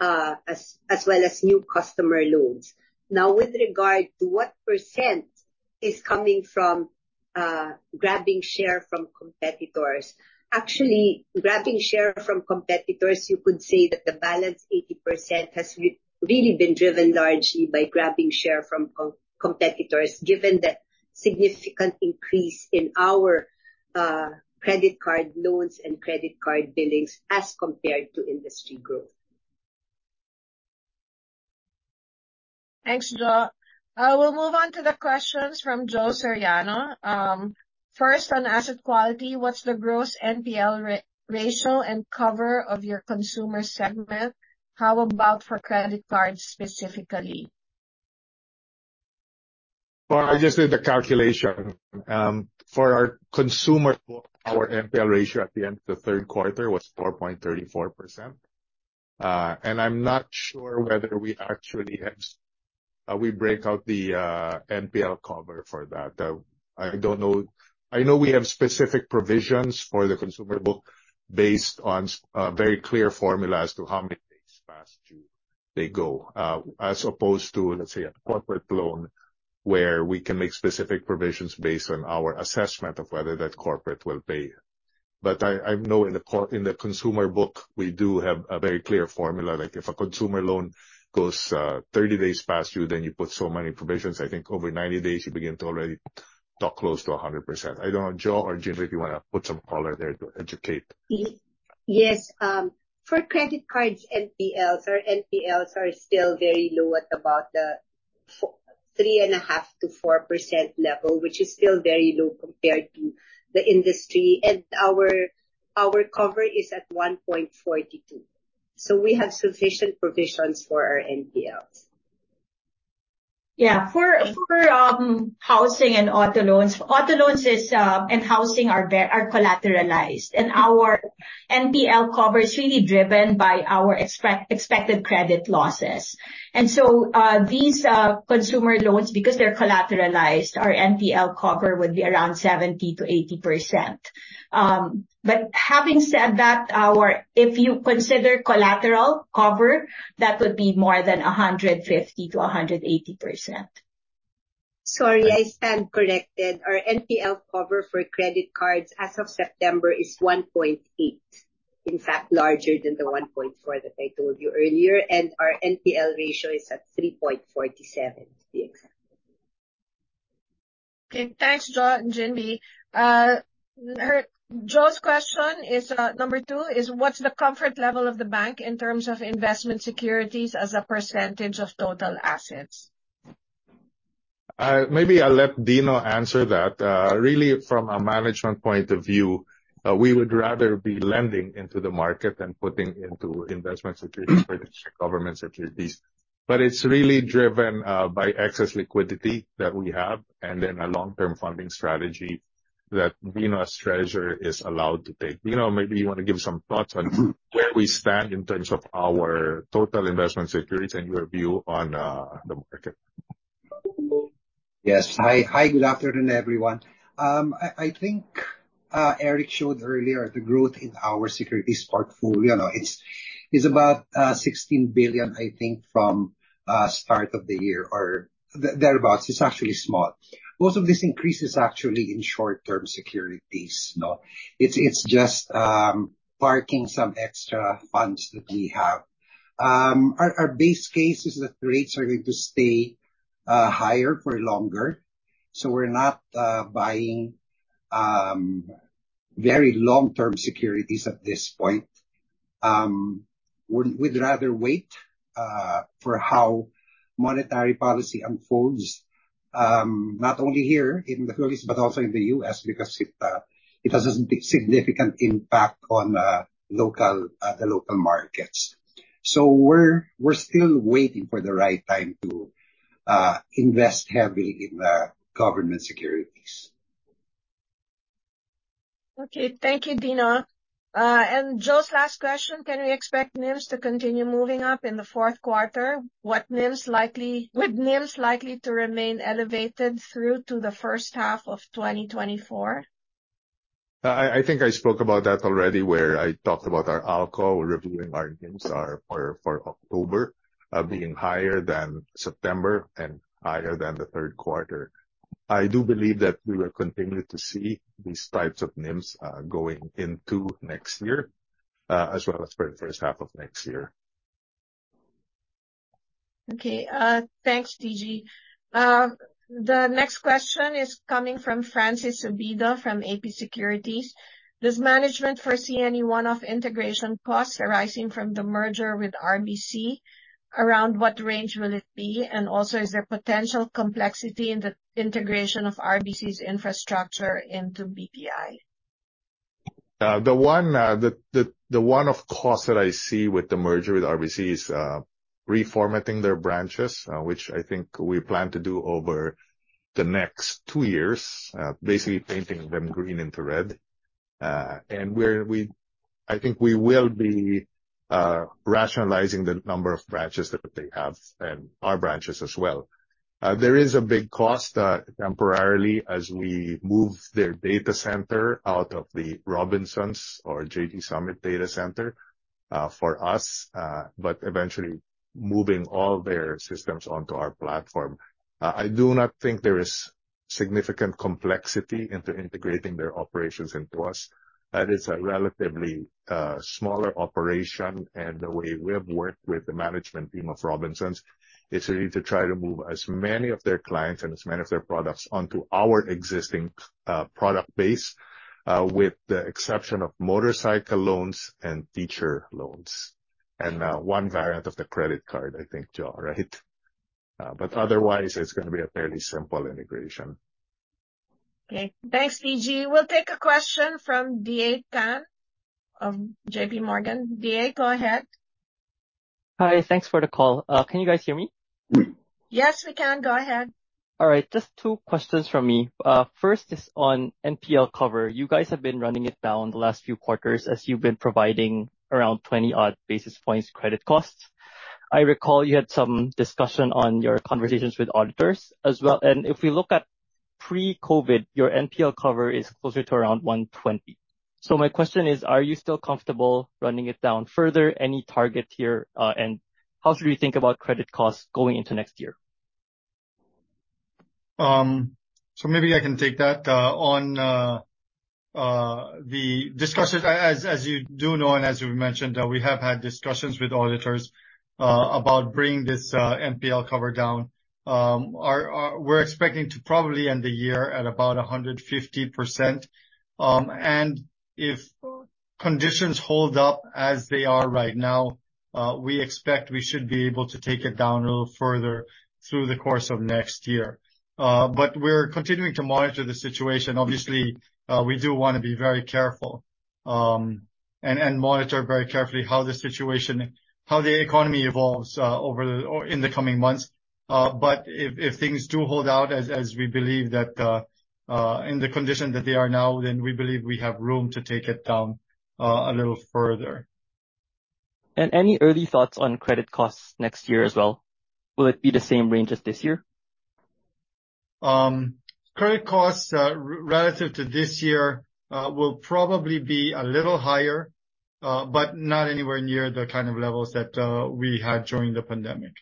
as well as new customer loans. Now, with regard to what percent is coming from grabbing share from competitors. Actually, grabbing share from competitors, you could say that the balance 80% has really been driven largely by grabbing share from competitors, given the significant increase in our credit card loans and credit card billings as compared to industry growth. Thanks, Jo. We'll move on to the questions from Joe Soriano. First, on asset quality, what's the gross NPL ratio and cover of your consumer segment? How about for credit cards specifically? Well, I just did the calculation. For our consumer book, our NPL ratio at the end of the third quarter was 4.34%. I'm not sure whether we actually have. We break out the NPL cover for that. I don't know. I know we have specific provisions for the consumer book based on very clear formula as to how many days past due they go, as opposed to, let's say, a corporate loan, where we can make specific provisions based on our assessment of whether that corporate will pay. I know in the consumer book, we do have a very clear formula. Like, if a consumer loan goes 30 days past due, then you put so many provisions. I think over 90 days, you begin to already talk close to 100%. I don't know, Jo or Ginbee, if you wanna put some color there to educate. Yes. For credit cards, NPLs. Our NPLs are still very low at about 3.5%-4% level, which is still very low compared to the industry. Our cover is at 1.42, so we have sufficient provisions for our NPLs. Yeah. Housing and auto loans are collateralized. Our NPL cover is really driven by our expected credit losses. These consumer loans, because they're collateralized, our NPL cover would be around 70%-80%. But having said that. If you consider collateral cover, that would be more than 150%-180%. Sorry, I stand corrected. Our NPL cover for credit cards as of September is 1.8, in fact, larger than the 1.4 that I told you earlier. Our NPL ratio is at 3.47, to be exact. Okay. Thanks, Jo and Ginbee. Joe's question is, number two, is what's the comfort level of the bank in terms of investment securities as a percentage of total assets? Maybe I'll let Dino answer that. Really, from a management point of view, we would rather be lending into the market than putting into investment securities or government securities. It's really driven by excess liquidity that we have and then a long-term funding strategy that Dino as treasurer is allowed to take. Dino, maybe you wanna give some thoughts on where we stand in terms of our total investment security and your view on the market. Yes. Hi. Hi, good afternoon, everyone. I think Eric showed earlier the growth in our securities portfolio. It's about 16 billion, I think, from start of the year or thereabouts. It's actually small. Most of this increase is actually in short-term securities, no? It's just parking some extra funds that we have. Our base case is that rates are going to stay higher for longer, so we're not buying very long-term securities at this point. We'd rather wait for how monetary policy unfolds, not only here in the Philippines, but also in the U.S. because it has a significant impact on the local markets. We're still waiting for the right time to invest heavily in the government securities. Okay. Thank you, Dino. Joe's last question: Can we expect NIMs to continue moving up in the fourth quarter? With NIMs likely to remain elevated through to the first half of 2024? I think I spoke about that already, where I talked about our ALCO reviewing our NIMs for October being higher than September and higher than the third quarter. I do believe that we will continue to see these types of NIMs going into next year as well as for the first half of next year. Okay. Thanks, TG. The next question is coming from Francis Subido from AP Securities. Does management foresee any one-off integration costs arising from the merger with RBC? Around what range will it be? Is there potential complexity in the integration of RBC's infrastructure into BPI? The one-off cost that I see with the merger with Robinsons Bank is reformatting their branches, which I think we plan to do over the next two years, basically painting them green into red. I think we will be rationalizing the number of branches that they have and our branches as well. There is a big cost temporarily as we move their data center out of the Robinsons or JG Summit data center for us, but eventually moving all their systems onto our platform. I do not think there is significant complexity in integrating their operations into us. That is a relatively smaller operation, and the way we have worked with the management team of Robinsons is really to try to move as many of their clients and as many of their products onto our existing product base with the exception of motorcycle loans and teacher loans. One variant of the credit card, I think, Joe, right? Otherwise, it's gonna be a fairly simple integration. Okay. Thanks, TG. We'll take a question from DA Tan of JP Morgan. DA, go ahead. Hi. Thanks for the call. Can you guys hear me? Yes, we can. Go ahead. All right. Just two questions from me. First is on NPL cover. You guys have been running it down the last few quarters as you've been providing around 20-odd basis points credit costs. I recall you had some discussion on your conversations with auditors as well. If we look at pre-COVID, your NPL cover is closer to around 120. My question is, are you still comfortable running it down further? Any target here? And how should we think about credit costs going into next year? Maybe I can take that. On the discussions, as you do know, and as we've mentioned, we have had discussions with auditors about bringing this NPL cover down. We're expecting to probably end the year at about 150%. If conditions hold up as they are right now, we expect we should be able to take it down a little further through the course of next year. We're continuing to monitor the situation. Obviously, we do wanna be very careful and monitor very carefully how the economy evolves in the coming months. If things do hold out as we believe that in the condition that they are now, then we believe we have room to take it down a little further. Any early thoughts on credit costs next year as well? Will it be the same range as this year? Credit costs, relative to this year, will probably be a little higher, but not anywhere near the kind of levels that we had during the pandemic.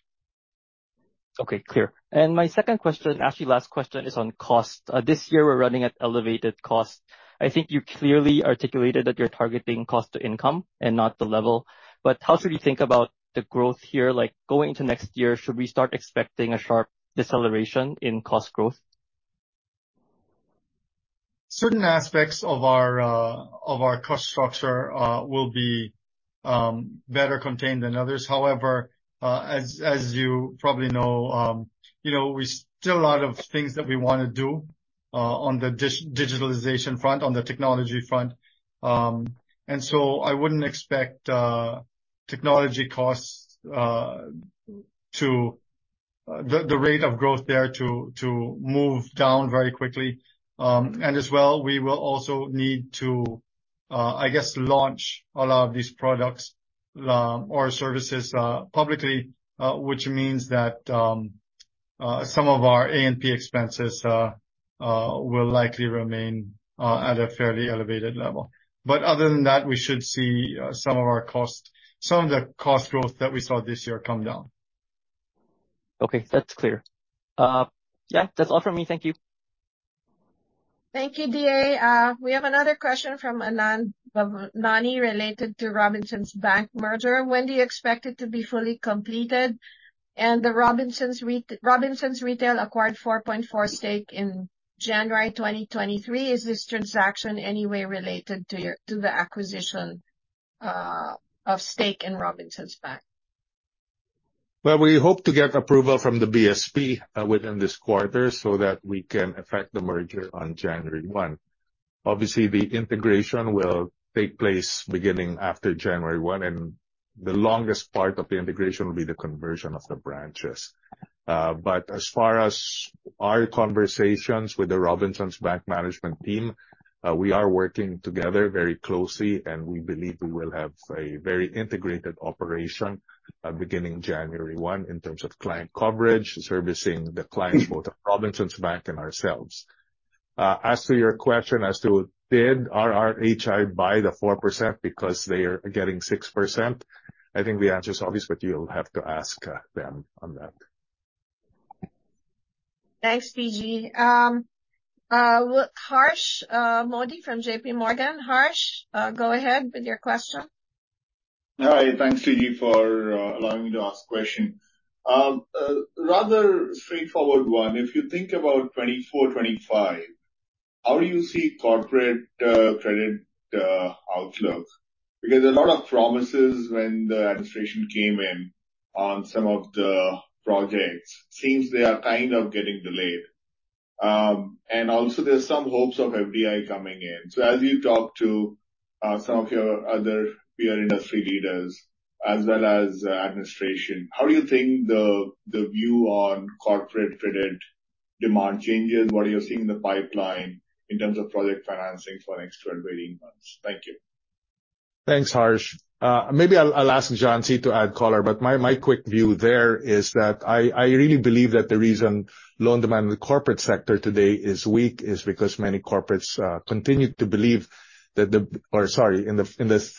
Okay. Clear. My second question, actually last question, is on cost. This year we're running at elevated cost. I think you clearly articulated that you're targeting cost to income and not the level. How should we think about the growth here? Like, going to next year, should we start expecting a sharp deceleration in cost growth? Certain aspects of our cost structure will be better contained than others. However, as you probably know, you know, we still a lot of things that we wanna do on the digitalization front, on the technology front. I wouldn't expect technology costs to the rate of growth there to move down very quickly. As well, we will also need to, I guess, launch a lot of these products or services publicly, which means that some of our A&P expenses will likely remain at a fairly elevated level. Other than that, we should see some of our costs, some of the cost growth that we saw this year come down. Okay. That's clear. Yeah, that's all from me. Thank you. Thank you, DA. We have another question from Anand Bavnani, related to Robinsons Bank merger. When do you expect it to be fully completed? Robinsons Retail acquired 4.4% stake in January 2023. Is this transaction in any way related to the acquisition of stake in Robinsons Bank? Well, we hope to get approval from the BSP within this quarter so that we can effect the merger on January one. Obviously, the integration will take place beginning after January one, and the longest part of the integration will be the conversion of the branches. As far as our conversations with the Robinsons Bank management team, we are working together very closely, and we believe we will have a very integrated operation beginning January one in terms of client coverage, servicing the clients for both the Robinsons Bank and ourselves. As to your question as to did RRHI buy the 4% because they are getting 6%, I think the answer is obvious, but you'll have to ask them on that. Thanks, TG. Harsh Modi from JP Morgan. Harsh, go ahead with your question. Hi. Thanks, TG, for allowing me to ask question. Rather straightforward one. If you think about 2024, 2025, how do you see corporate credit outlook? Because a lot of promises when the administration came in on some of the projects seems they are kind of getting delayed. And also there's some hopes of FDI coming in. So as you talk to some of your other peer industry leaders as well as administration, how do you think the view on corporate credit demand changes? What are you seeing in the pipeline in terms of project financing for next 12, 18 months? Thank you. Thanks, Harsh. Maybe I'll ask John C. to add color, but my quick view there is that I really believe that the reason loan demand in the corporate sector today is weak is because in the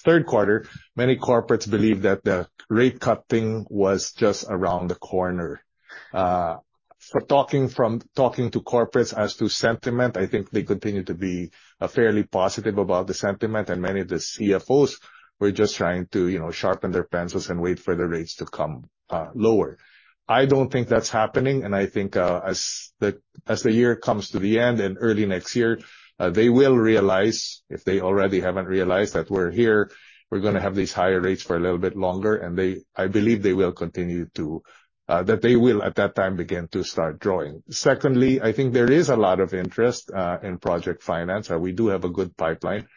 third quarter, many corporates believed that the rate cutting was just around the corner. Talking to corporates as to sentiment, I think they continue to be fairly positive about the sentiment, and many of the CFOs were just trying to, you know, sharpen their pencils and wait for the rates to come lower. I don't think that's happening, and I think, as the year comes to the end and early next year, they will realize, if they already haven't realized, that we're here, we're gonna have these higher rates for a little bit longer, and I believe they will continue to, at that time, begin to start drawing. Secondly, I think there is a lot of interest in project finance. We do have a good pipeline.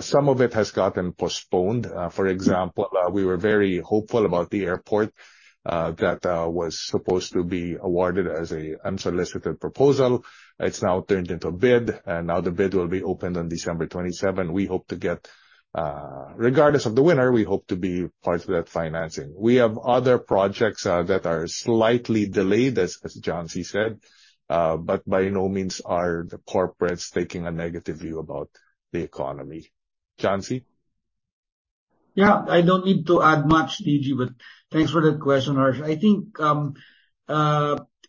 Some of it has gotten postponed. For example, we were very hopeful about the airport that was supposed to be awarded as an unsolicited proposal. It's now turned into a bid, and now the bid will be opened on December twenty-seventh. We hope to get. Regardless of the winner, we hope to be part of that financing. We have other projects that are slightly delayed, as John C. said, but by no means are the corporates taking a negative view about the economy. John C.? Yeah. I don't need to add much, TG, but thanks for that question, Harsh. I think,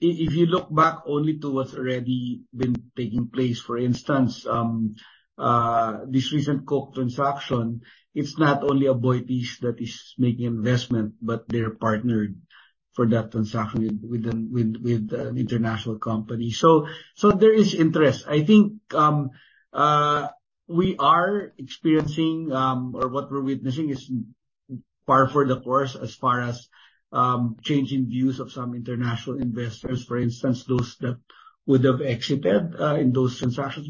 if you look back only to what's already been taking place, for instance, this recent Coke transaction, it's not only Aboitiz that is making investment, but they're partnered for that transaction with an international company. There is interest. I think, we are experiencing, or what we're witnessing is par for the course as far as changing views of some international investors, for instance, those that would have exited in those transactions.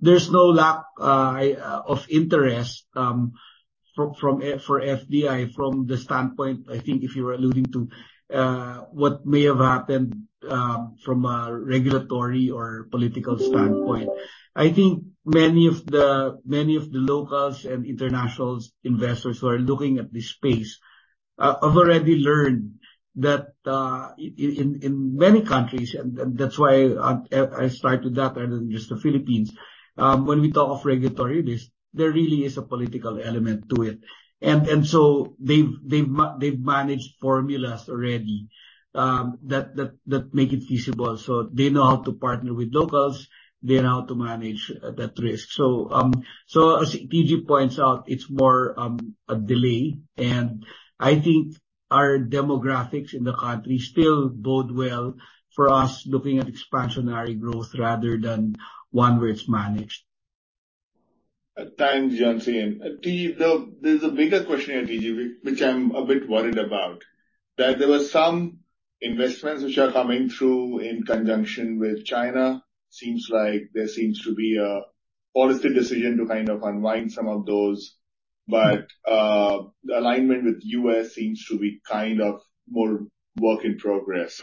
There's no lack of interest for FDI from the standpoint, I think if you were alluding to what may have happened from a regulatory or political standpoint. I think many of the locals and international investors who are looking at this space have already learned that in many countries, and that's why I started that rather than just the Philippines, when we talk of regulatory risk, there really is a political element to it. They've managed formulas already that make it feasible. They know how to partner with locals. They know how to manage that risk. As TG points out, it's more a delay. I think our demographics in the country still bode well for us looking at expansionary growth rather than one where it's managed. Thanks, John C.. TG, there's a bigger question here, TG, which I'm a bit worried about. That there were some investments which are coming through in conjunction with China. Seems like there seems to be a policy decision to kind of unwind some of those. The alignment with U.S. seems to be kind of more work in progress.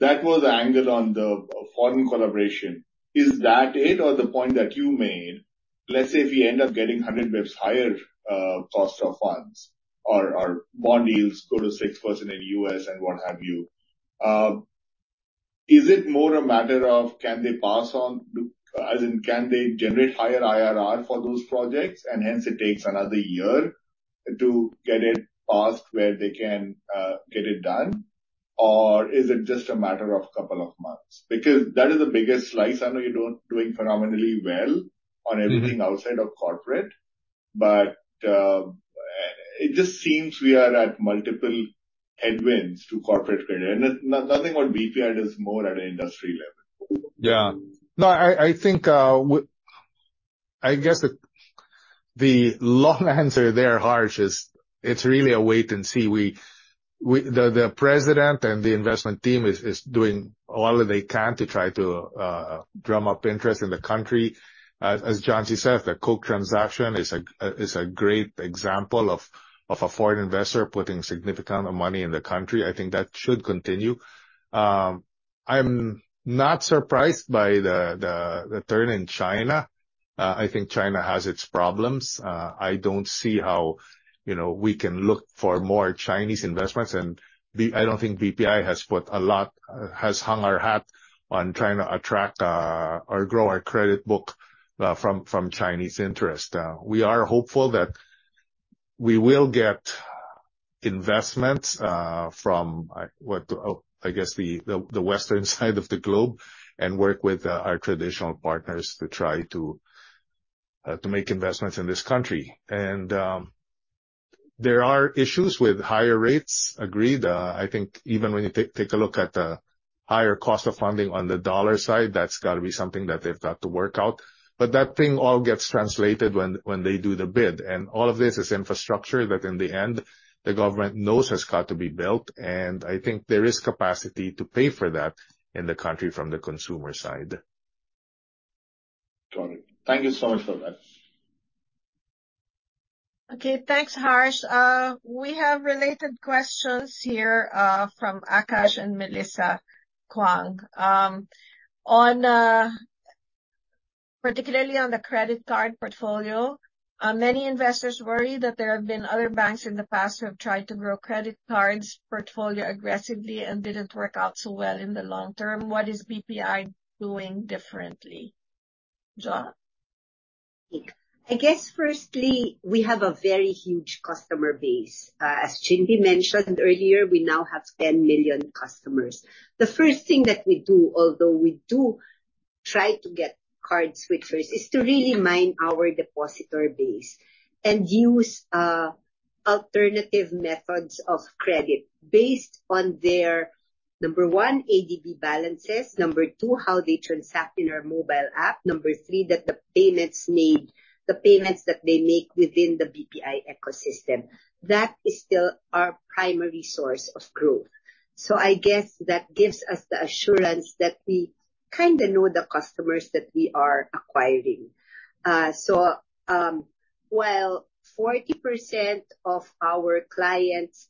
That was the angle on the foreign collaboration. Is that it or the point that you made, let's say if you end up getting 100 basis points higher cost of funds or bond deals go to 6% in U.S. and what have you, is it more a matter of can they pass on, as in can they generate higher IRR for those projects, and hence it takes another year to get it passed where they can get it done? Is it just a matter of couple of months? Because that is the biggest slice. I know you're doing phenomenally well on everything outside of corporate. It just seems we are at multiple headwinds to corporate credit. Nothing on BPI, it is more at an industry level. Yeah. No, I think the long answer there, Harsh, is it's really a wait and see. The president and the investment team is doing all that they can to try to drum up interest in the country. As John C. said, the Coke transaction is a great example of a foreign investor putting significant amount of money in the country. I think that should continue. I'm not surprised by the turn in China. I think China has its problems. I don't see how, you know, we can look for more Chinese investments and I don't think BPI has put a lot, has hung our hat on trying to attract or grow our credit book from Chinese interest. We are hopeful that we will get investments from the Western side of the globe and work with our traditional partners to try to make investments in this country. There are issues with higher rates. Agreed. I think even when you take a look at the higher cost of funding on the dollar side, that's gotta be something that they've got to work out. That all gets translated when they do the bid. All of this is infrastructure that in the end, the government knows has got to be built, and I think there is capacity to pay for that in the country from the consumer side. Got it. Thank you so much for that. Okay. Thanks, Harsh. We have related questions here from Akash and Melissa Kwong. On particularly on the credit card portfolio, many investors worry that there have been other banks in the past who have tried to grow credit cards portfolio aggressively and didn't work out so well in the long term. What is BPI doing differently? John? I guess firstly, we have a very huge customer base. As Ginbee mentioned earlier, we now have 10 million customers. The first thing that we do, although we do try to get card switchers, is to really mine our depositor base and use alternative methods of credit based on their number one, ADB balances, number two, how they transact in our mobile app, number three, the payments that they make within the BPI ecosystem. That is still our primary source of growth. I guess that gives us the assurance that we kinda know the customers that we are acquiring. While 40% of our clients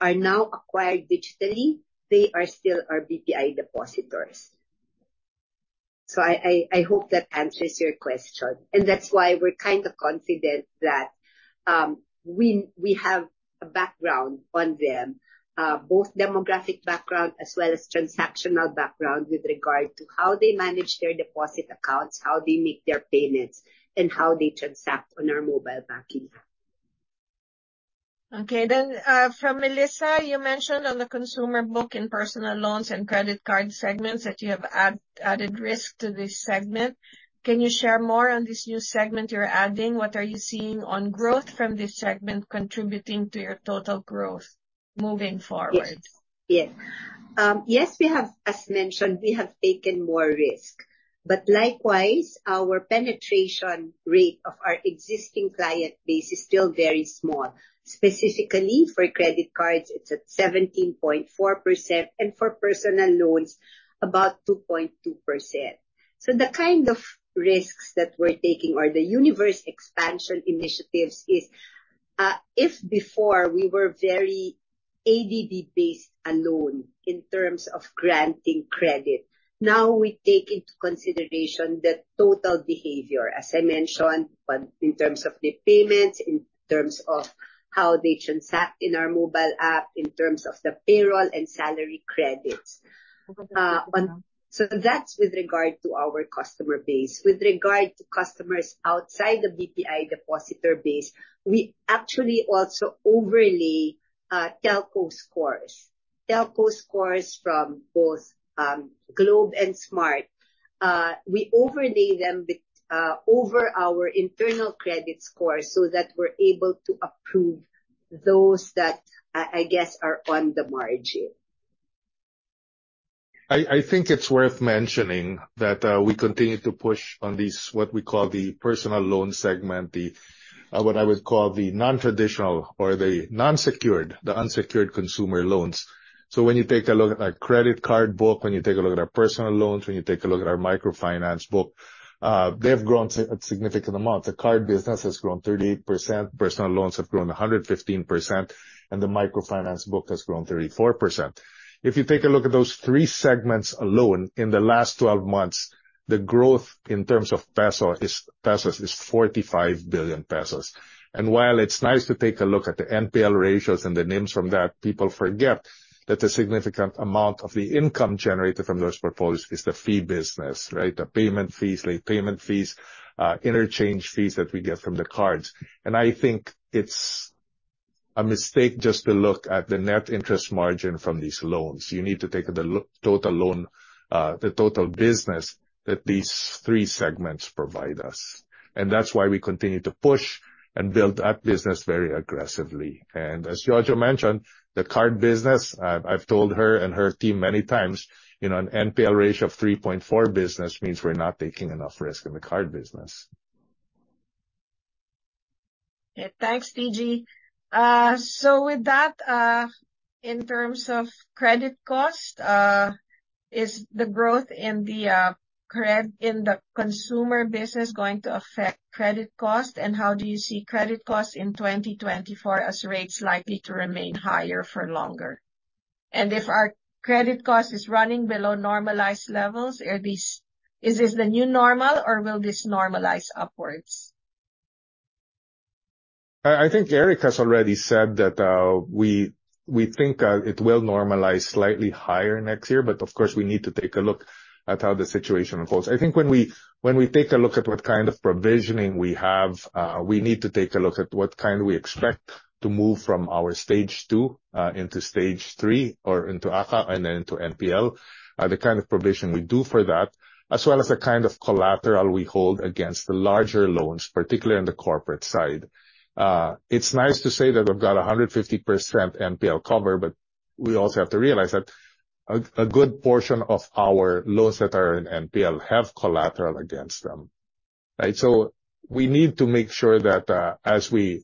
are now acquired digitally, they are still our BPI depositors. I hope that answers your question. That's why we're kind of confident that we have a background on them, both demographic background as well as transactional background with regard to how they manage their deposit accounts, how they make their payments, and how they transact on our mobile banking. From Melissa. You mentioned on the consumer book in personal loans and credit card segments that you have added risk to this segment. Can you share more on this new segment you're adding? What are you seeing on growth from this segment contributing to your total growth moving forward? Yes, we have, as mentioned, we have taken more risk, but likewise, our penetration rate of our existing client base is still very small. Specifically, for credit cards it's at 17.4% and for personal loans about 2.2%. The kind of risks that we're taking or the universe expansion initiatives is, if before we were very ADB based alone in terms of granting credit, now we take into consideration the total behavior, as I mentioned, but in terms of the payments, in terms of how they transact in our mobile app, in terms of the payroll and salary credits. That's with regard to our customer base. With regard to customers outside the BPI depositor base, we actually also overlay telco scores from both Globe and Smart. We overlay them with our internal credit score so that we're able to approve those that I guess are on the margin. I think it's worth mentioning that we continue to push on these, what we call the personal loan segment. What I would call the non-traditional or the non-secured, the unsecured consumer loans. When you take a look at our credit card book, when you take a look at our personal loans, when you take a look at our microfinance book, they've grown significant amounts. The card business has grown 38%, personal loans have grown 115%, and the microfinance book has grown 34%. If you take a look at those three segments alone, in the last 12 months, the growth in terms of pesos is 45 billion pesos. While it's nice to take a look at the NPL ratios and the NIMs from that, people forget that a significant amount of the income generated from those portfolios is the fee business, right? The payment fees, late payment fees, interchange fees that we get from the cards. I think it's a mistake just to look at the net interest margin from these loans. You need to take the total loan, the total business that these three segments provide us. That's why we continue to push and build that business very aggressively. As Jojo mentioned, the card business, I've told her and her team many times, you know, an NPL ratio of 3.4% business means we're not taking enough risk in the card business. Yeah. Thanks, TG. So with that, in terms of credit cost, is the growth in the consumer business going to affect credit cost? How do you see credit costs in 2024 as rates likely to remain higher for longer? If our credit cost is running below normalized levels, is this the new normal or will this normalize upwards? I think Eric has already said that we think it will normalize slightly higher next year, but of course, we need to take a look at how the situation unfolds. I think when we take a look at what kind of provisioning we have, we need to take a look at what kind we expect to move from our stage two into stage three or into ACA and then to NPL, the kind of provision we do for that, as well as the kind of collateral we hold against the larger loans, particularly in the corporate side. It's nice to say that I've got 150% NPL cover, but we also have to realize that a good portion of our loans that are in NPL have collateral against them, right? We need to make sure that, as we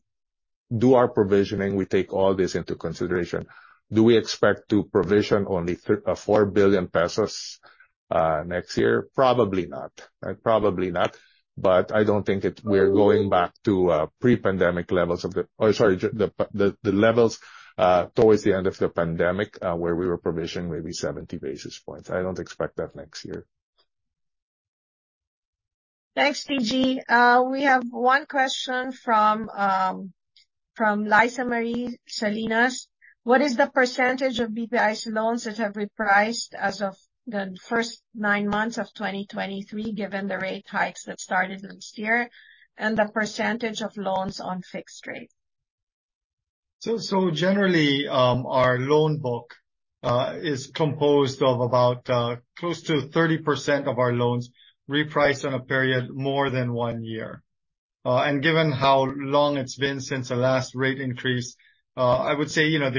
do our provisioning, we take all this into consideration. Do we expect to provision only 4 billion pesos next year? Probably not, right? Probably not. I don't think we're going back to the levels towards the end of the pandemic, where we were provisioning maybe 70 basis points. I don't expect that next year. Thanks, TG. We have one question from Lisa Marie Salinas: What is the percentage of BPI's loans that have repriced as of the first 9 months of 2023, given the rate hikes that started this year, and the percentage of loans on fixed rate? Generally, our loan book is composed of about close to 30% of our loans repriced on a period more than one year. Given how long it's been since the last rate increase, I would say, you know,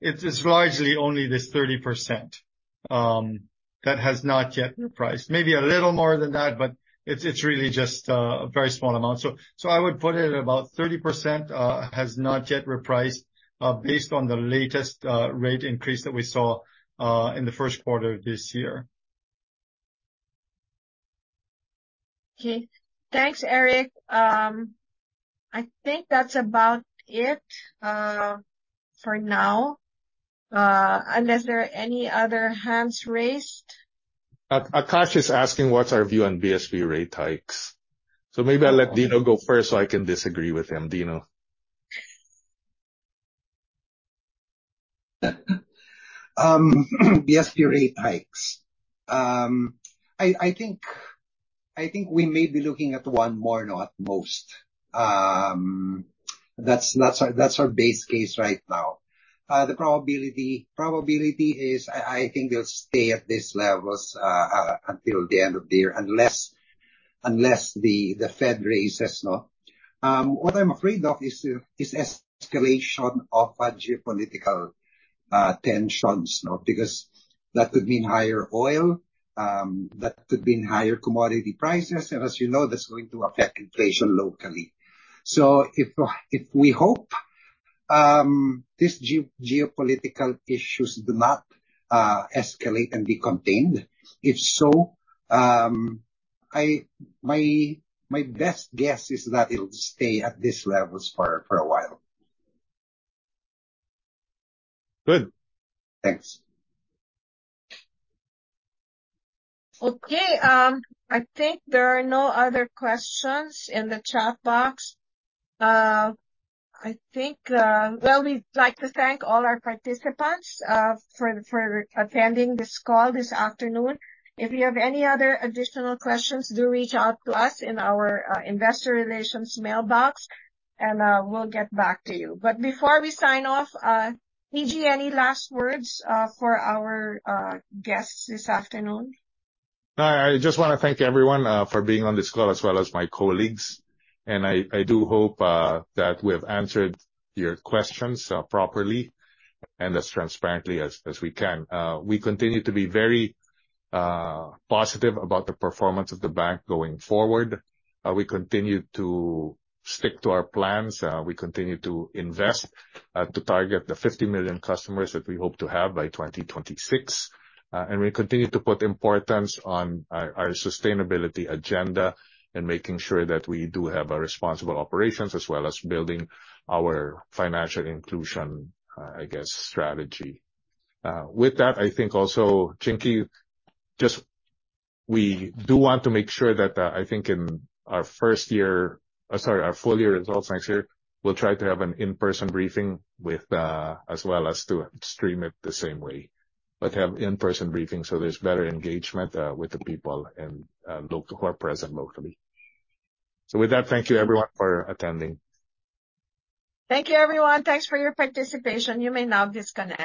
it's largely only this 30% that has not yet repriced. Maybe a little more than that, but it's really just a very small amount. I would put it at about 30% has not yet repriced based on the latest rate increase that we saw in the first quarter of this year. Okay. Thanks, Eric. I think that's about it, for now, unless there are any other hands raised. Akash is asking what's our view on BSP rate hikes. Maybe I'll let Dino go first, so I can disagree with him. Dino. BSP rate hikes. I think we may be looking at one more, not most. That's our base case right now. The probability is I think they'll stay at these levels until the end of the year, unless the Fed raises, no? What I'm afraid of is the escalation of geopolitical tensions, no? Because that could mean higher oil, that could mean higher commodity prices, and as you know, that's going to affect inflation locally. If we hope these geopolitical issues do not escalate and be contained. If so, my best guess is that it'll stay at these levels for a while. Good. Thanks. Okay. I think there are no other questions in the chat box. Well, we'd like to thank all our participants for attending this call this afternoon. If you have any other additional questions, do reach out to us in our investor relations mailbox and we'll get back to you. Before we sign off, TG, any last words for our guests this afternoon? I just wanna thank everyone for being on this call, as well as my colleagues. I do hope that we have answered your questions properly and as transparently as we can. We continue to be very positive about the performance of the bank going forward. We continue to stick to our plans. We continue to invest to target the 50 million customers that we hope to have by 2026. We continue to put importance on our sustainability agenda and making sure that we do have a responsible operations as well as building our financial inclusion, I guess, strategy. With that, I think also, Chinky, just we do want to make sure that I think in our first year, or sorry, our full year results next year, we'll try to have an in-person briefing with as well as to stream it the same way. Have in-person briefing so there's better engagement with the people and who are present locally. With that, thank you everyone for attending. Thank you, everyone. Thanks for your participation. You may now disconnect.